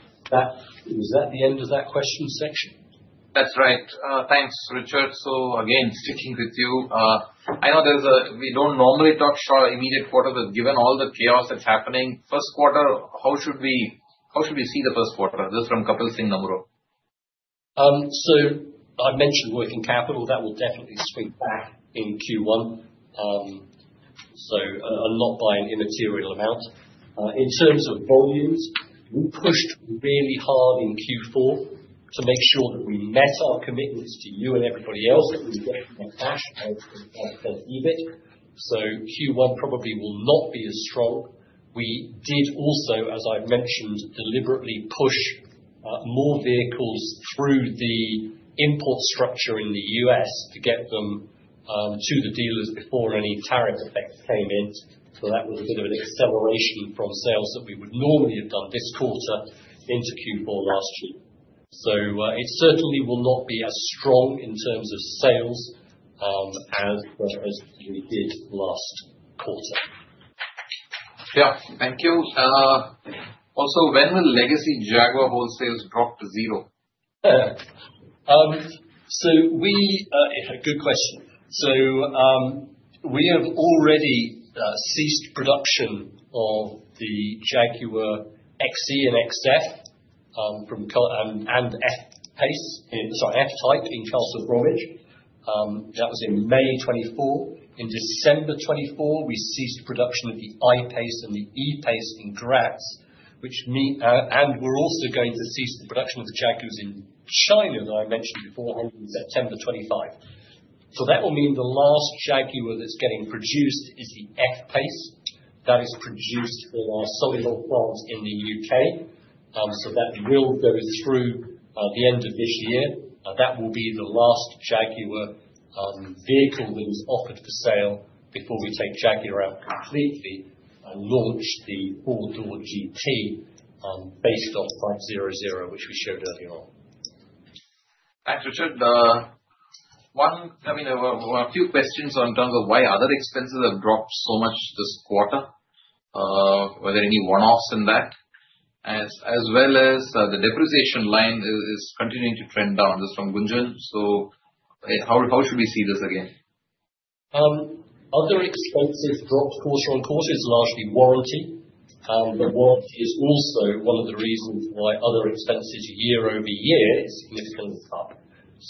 Is that the end of that question section? That's right. Thanks, Richard. Again, sticking with you. I know we don't normally talk short of immediate quarters, but given all the chaos that's happening, first quarter, how should we see the first quarter? This is from Kapil Singh Naburu. I mentioned working capital. That will definitely sweep back in Q1, so a lot by an immaterial amount. In terms of volumes, we pushed really hard in Q4, to make sure that we met our commitments to you and everybody else that we were getting the cash out of EBIT. Q1, probably will not be as strong. We did also, as I have mentioned, deliberately push more vehicles through the import structure in the U.S. to get them to the dealers before any tariff effects came in. That was a bit of an acceleration from sales that we would normally have done this quarter into Q4, last year. It certainly will not be as strong in terms of sales as we did last quarter. Thank you. Also, when will legacy Jaguar wholesales drop to zero? Good question. We have already ceased production of the Jaguar XE and XF and F-Pace, sorry, F-Type, in Castle Bromwich. That was in May 2024. In December 2024, we ceased production of the I-Pace and the E-Pace, in Graz, which means we're also going to cease the production of the Jaguars, in China, that I mentioned before on September 2025. That will mean the last Jaguar, that's getting produced is the F-Pace, that is produced for our solid old plants in the U.K. That will go through the end of this year. That will be the last Jaguar vehicle, that is offered for sale before we take Jaguar, out completely and launch the four-door GT, based off 500, which we showed earlier on. Thanks, Richard. I mean, a few questions on terms of why other expenses have dropped so much this quarter. Were there any one-offs in that? As well as the depreciation line is continuing to trend down. This is from Gunjan. How should we see this again? Other expenses, dropped quarter on quarter, it is largely warranty. Warranty, is also one of the reasons why other expenses year over year are significantly up.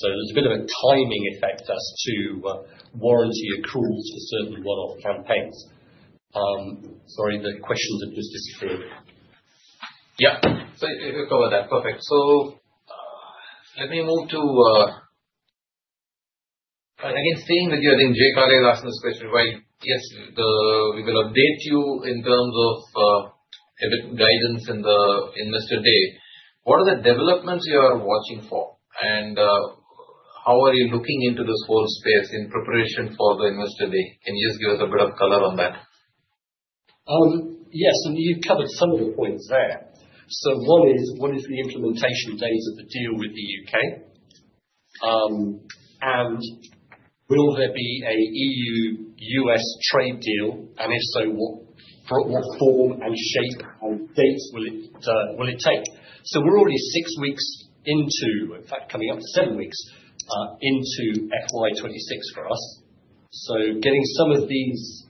There is a bit of a timing effect as to warranty accruals, for certain one-off campaigns. Sorry, the questions have just disappeared. Yeah. We have covered that. Perfect. Let me move to, again, staying with you. I think Jay Kare, has asked this question why, yes, we will update you in terms of EBIT, guidance in the investor day. What are the developments you are watching for? How are you looking into this whole space in preparation for the investor day? Can you just give us a bit of color on that? Yes. You have covered some of the points there. One is, what is the implementation date of the deal with the U.K.? Will there be a EU-U.S. trade deal? If so, what form and shape and dates will it take? We are already six weeks into, in fact, coming up to seven weeks into FY 2026 for us. Getting some of these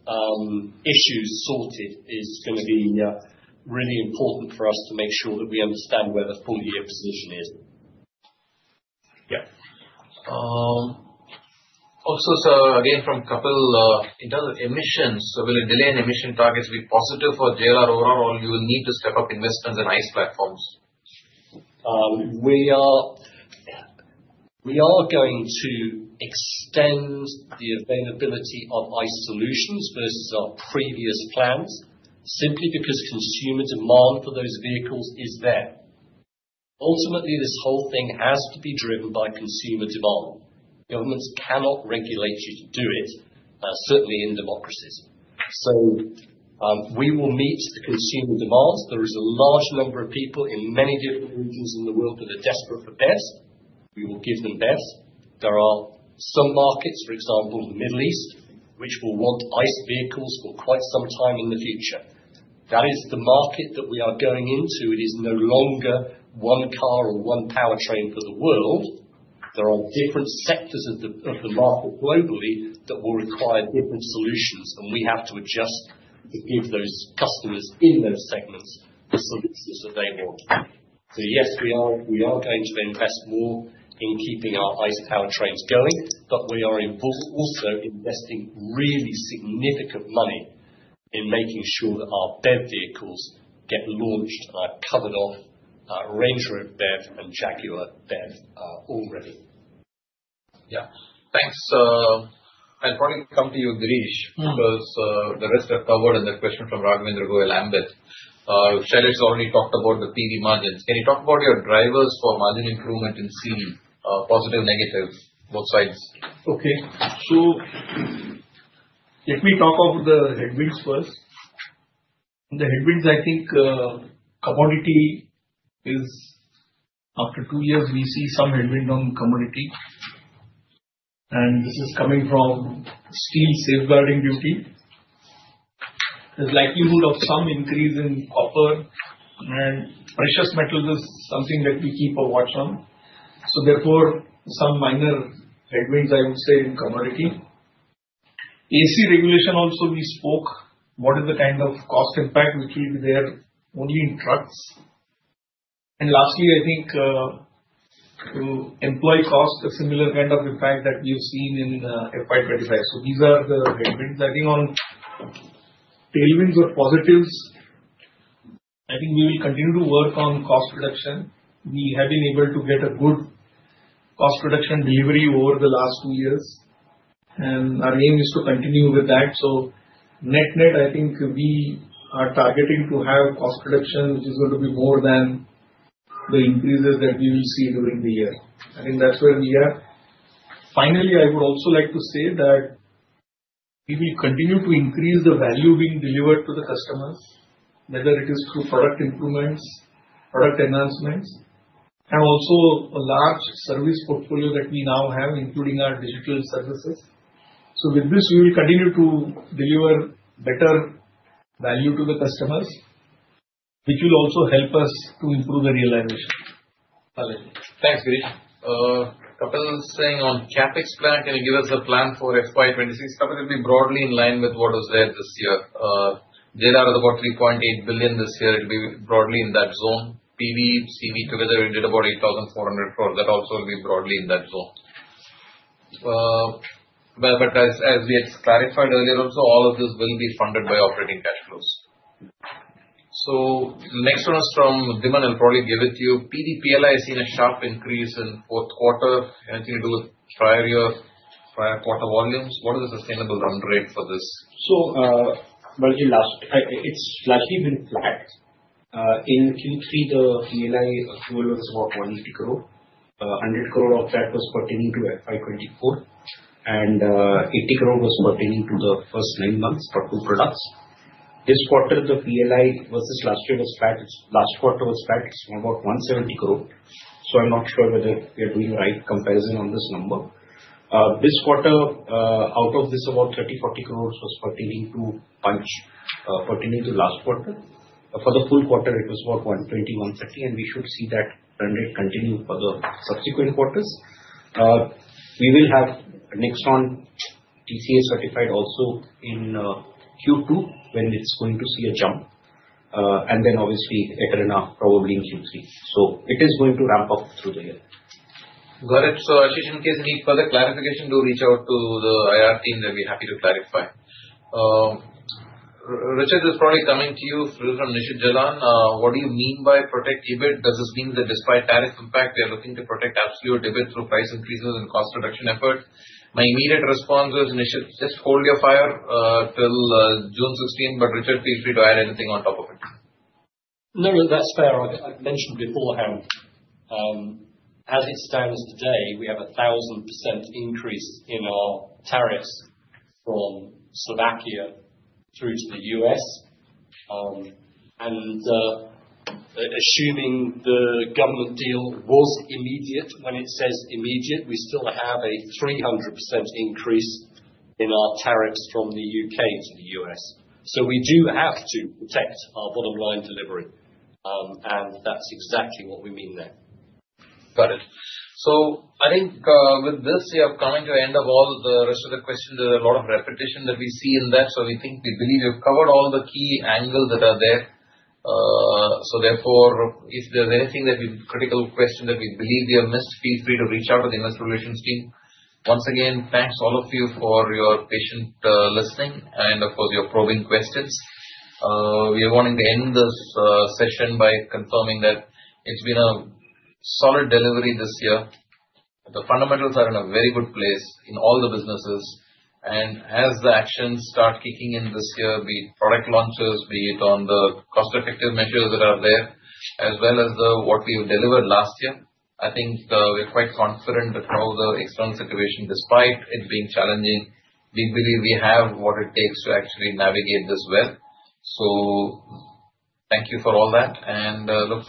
issues sorted is going to be really important for us to make sure that we understand where the full year position is. Yeah. Also, again, from Kapil, in terms of emissions, will the delay in emission targets be positive for JLR overall, or will you need to step up investments in ICE platforms? We are going to extend the availability of ICE solutions, versus our previous plans simply because consumer demand for those vehicles is there. Ultimately, this whole thing has to be driven by consumer demand. Governments cannot regulate you to do it, certainly in democracies. We will meet the consumer demands. There is a large number of people in many different regions in the world that are desperate for BEVs. We will give them BEVs. There are some markets, for example, the Middle East, which will want ICE vehicles, for quite some time in the future. That is the market that we are going into. It is no longer one car or one powertrain for the world. There are different sectors of the market globally that will require different solutions. We have to adjust to give those customers in those segments the solutions that they want. Yes, we are going to invest more in keeping our ICE powertrains going. We are also investing really significant money in making sure that our BEV vehicles, get launched and are covered off Range Rover BEV, and Jaguar BEV already. Yeah. Thanks. I'll probably come to you, Girish, because the rest are covered and the question from Raghavendra Goyalambit. Shailesh, has already talked about the PV margins. Can you talk about your drivers for margin improvement in seeing positive and negative, both sides? Okay. Let me talk about the headwinds first. The headwinds, I think commodity is after two years, we see some headwind on commodity. This is coming from steel safeguarding duty. There is likelihood of some increase in copper. Precious metals is something that we keep a watch on. Therefore, some minor headwinds, I would say, in commodity. AC regulation also, we spoke. What is the kind of cost impact which will be there only in trucks? Lastly, I think employee cost, a similar kind of impact that we have seen in FY 2025. These are the headwinds. On tailwinds or positives, I think we will continue to work on cost reduction. We have been able to get a good cost reduction delivery over the last two years. Our aim is to continue with that. Net net, I think we are targeting to have cost reduction, which is going to be more than the increases that we will see during the year. That is where we are. Finally, I would also like to say that we will continue to increase the value being delivered to the customers, whether it is through product improvements, product enhancements, and also a large service portfolio that we now have, including our digital services. With this, we will continue to deliver better value to the customers, which will also help us to improve the realization. Thanks, Girish. Kapil Singh on CapEx, plan, can you give us a plan for FY 2026? Probably broadly in line with what was there this year. Data out of about $3.8 billion, this year. It will be broadly in that zone. PV, CV together, we did about 8,400 crore. That also will be broadly in that zone. As we had clarified earlier, all of this will be funded by operating cash flows. The next one is from Dhiman. I will probably give it to you. PV, PLI, has seen a sharp increase in fourth quarter. Anything to do with prior year, prior quarter volumes? What is the sustainable run rate for this? It has largely been flat. In Q3, the PLI accrual, was about 180 crore. 100 crores of that was pertaining to FY 2024. And 80 crores, was pertaining to the first nine months for two products. This quarter, the PLI, versus last year was flat. Last quarter was flat. It is about 170 crores. I am not sure whether we are doing a right comparison on this number. This quarter, out of this, about 30-40 crores, was pertaining to Punch, pertaining to last quarter. For the full quarter, it was about 120-130. We should see that run rate continue for the subsequent quarters. We will have Nexon TCA certified, also in Q2, when it is going to see a jump. Eterna, probably in Q3. It is going to ramp up through the year. Got it. Ashish, in case you need further clarification, do reach out to the IR team. They will be happy to clarify. Richard is probably coming to you. This is from Nishit Jalan. What do you mean by protect EBIT? Does this mean that despite tariff impact, we are looking to protect absolute EBIT, through price increases and cost reduction efforts? My immediate response is, Nishit, just hold your fire till June 16. But Richard, feel free to add anything on top of it. No, no. That's fair. I've mentioned beforehand, as it stands today, we have a 1,000%, increase in our tariffs from Slovakia, through to the U.S. And assuming the government deal was immediate, when it says immediate, we still have a 300%, increase in our tariffs from the U.K. to the U.S. We do have to protect our bottom line delivery. That's exactly what we mean there. Got it. I think with this, we are coming to the end of all the rest of the questions. There's a lot of repetition that we see in that. We believe we've covered all the key angles that are there. If there's any critical question that we believe we have missed, feel free to reach out to the investor relations team. Once again, thanks all of you for your patient listening and, of course, your probing questions. We are wanting to end this session by confirming that it's been a solid delivery this year. The fundamentals are in a very good place in all the businesses. As the actions start kicking in this year, be it product launches, be it on the cost-effective measures that are there, as well as what we have delivered last year, I think we're quite confident that now the external situation, despite it being challenging, we believe we have what it takes to actually navigate this well. Thank you for all that. I look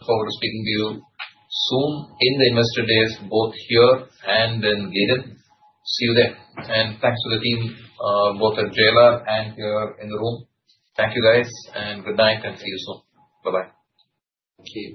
forward to speaking to you soon in the investor days, both here and in Girim. See you there. Thanks to the team, both at JLR, and here in the room. Thank you, guys. Good night and see you soon. Bye-bye. Thank you.